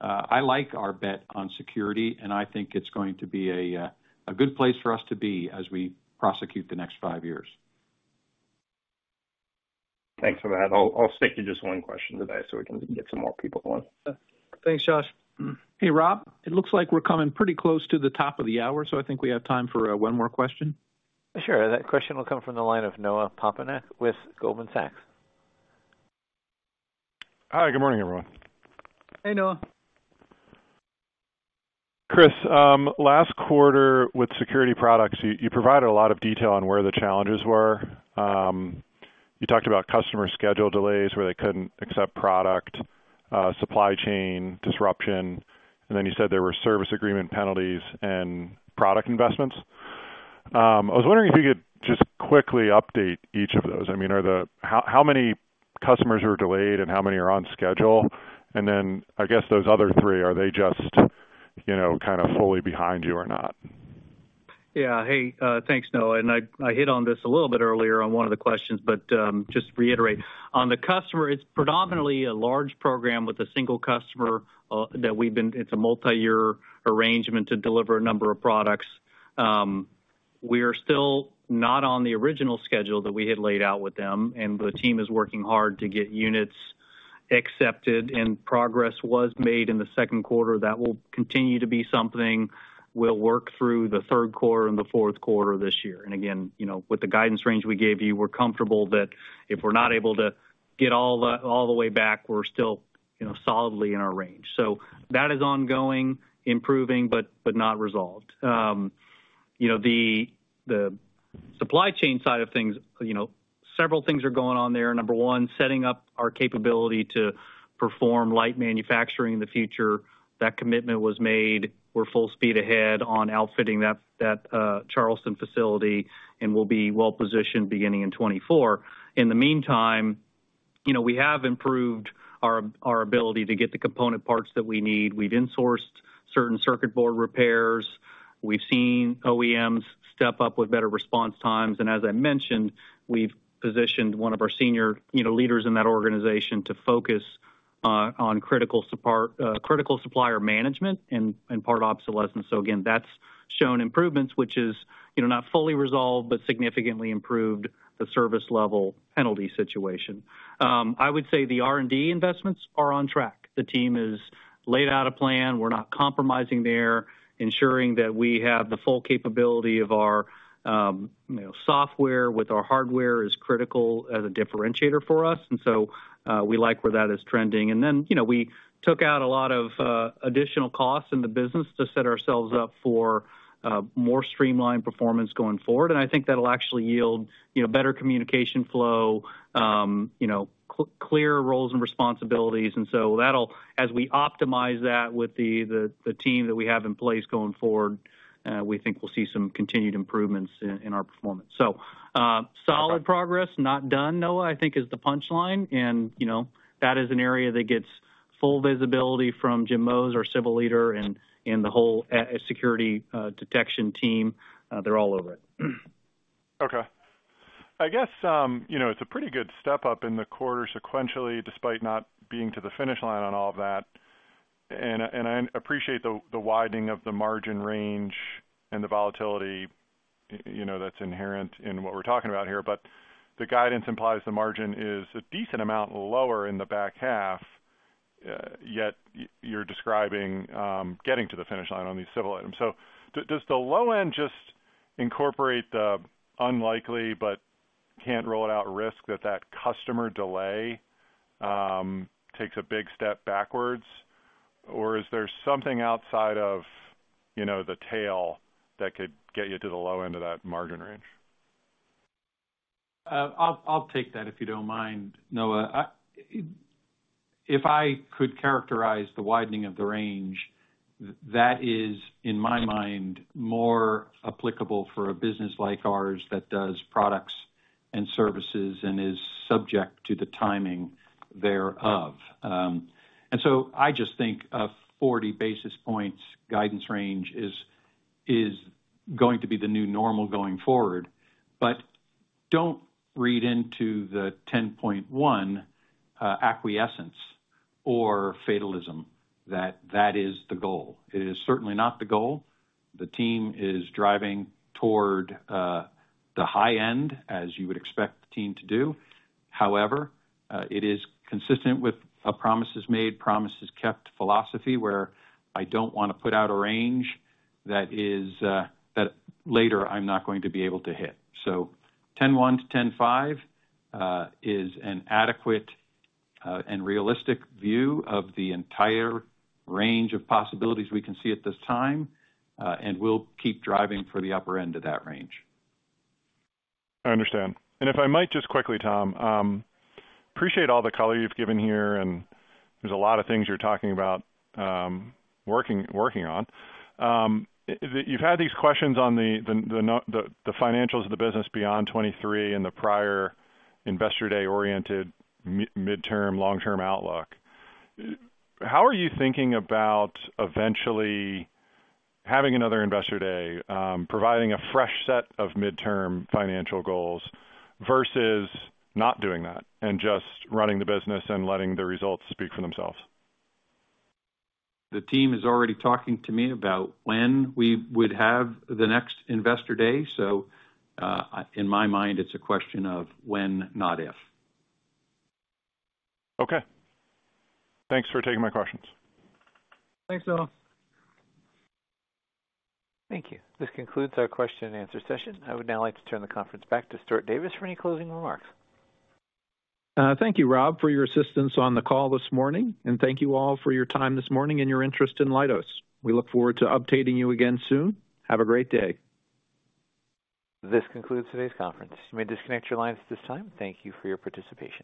I like our bet on security, and I think it's going to be a good place for us to be as we prosecute the next five years. Thanks for that. I'll stick to just one question today, so we can get some more people on. Thanks, Josh. Hey, Rob, it looks like we're coming pretty close to the top of the hour. I think we have time for one more question. Sure. That question will come from the line of Noah Poponak with Goldman Sachs. Hi, good morning, everyone. Hey, Noah. Chris, last quarter with security products, you, you provided a lot of detail on where the challenges were. You talked about customer schedule delays, where they couldn't accept product, supply chain disruption, and then you said there were service agreement penalties and product investments. I was wondering if you could just quickly update each of those. I mean, how many customers are delayed and how many are on schedule? I guess, those other three, are they just, you know, kind of fully behind you or not? Yeah. Hey, thanks, Noah. I hit on this a little bit earlier on one of the questions, but, just to reiterate, on the customer, it's predominantly a large program with a single customer. It's a multi-year arrangement to deliver a number of products. We are still not on the original schedule that we had laid out with them, and the team is working hard to get units accepted, and progress was made in the Q2. That will continue to be something we'll work through the Q3 and the Q4 of this year. Again, you know, with the guidance range we gave you, we're comfortable that if we're not able to get all the way back, we're still, you know, solidly in our range. That is ongoing, improving, but not resolved. You know, the supply chain side of things, you know, several things are going on there. Number one, setting up our capability to perform light manufacturing in the future. That commitment was made. We're full speed ahead on outfitting that, that Charleston facility, and we'll be well-positioned beginning in 2024. In the meantime, you know, we have improved our ability to get the component parts that we need. We've in-sourced certain circuit board repairs. We've seen OEMs step up with better response times, and as I mentioned, we've positioned one of our senior, you know, leaders in that organization to focus on critical supplier management, and part obsolescence. Again, that's shown improvements, which is, you know, not fully resolved, but significantly improved the service level penalty situation. I would say the R&D investments are on track. The team has laid out a plan. We're not compromising there, ensuring that we have the full capability of our, you know, software with our hardware is critical as a differentiator for us. We like where that is trending. You know, we took out a lot of additional costs in the business to set ourselves up for more streamlined performance going forward. I think that'll actually yield, you know, better communication flow, you know, clear roles and responsibilities. As we optimize that with the, the, the team that we have in place going forward, we think we'll see some continued improvements in, in our performance. Solid progress, not done, Noah, I think is the punchline, and, you know, that is an area that gets full visibility from Jim Moos, our Civil Leader, and the whole security detection team. They're all over it. Okay. I guess, you know, it's a pretty good step up in the quarter sequentially, despite not being to the finish line on all of that. I appreciate the widening of the margin range and the volatility, you know, that's inherent in what we're talking about here. The guidance implies the margin is a decent amount lower in the back half, yet you're describing getting to the finish line on these civil items. Does the low end just incorporate the unlikely, but can't roll it out risk that customer delay takes a big step backwards? Is there something outside of, you know, the tail that could get you to the low end of that margin range? I'll take that, if you don't mind, Noah. If I could characterize the widening of the range, that is, in my mind, more applicable for a business like ours that does products and services and is subject to the timing thereof. I just think a 40 basis points guidance range is going to be the new normal going forward. Don't read into the 10.1 acquiescence or fatalism that that is the goal. It is certainly not the goal. The team is driving toward the high end, as you would expect the team to do. However, it is consistent with a promises made, promises kept philosophy, where I don't want to put out a range that later I'm not going to be able to hit. 10.1 to 10.5 is an adequate and realistic view of the entire range of possibilities we can see at this time, and we'll keep driving for the upper end of that range. I understand. If I might just quickly, Tom, appreciate all the color you've given here, and there's a lot of things you're talking about, working, working on. You've had these questions on the financials of the business beyond 2023 and the prior Investor Day-oriented midterm, long-term outlook. How are you thinking about eventually having another Investor Day, providing a fresh set of midterm financial goals, versus not doing that and just running the business and letting the results speak for themselves? The team is already talking to me about when we would have the next Investor Day, so, in my mind, it's a question of when, not if. Okay. Thanks for taking my questions. Thanks, Noah. Thank you. This concludes our question and answer session. I would now like to turn the conference back to Stuart Davis for any closing remarks. Thank you, Rob, for your assistance on the call this morning. Thank you all for your time this morning and your interest in Leidos. We look forward to updating you again soon. Have a great day. This concludes today's conference. You may disconnect your lines at this time. Thank you for your participation.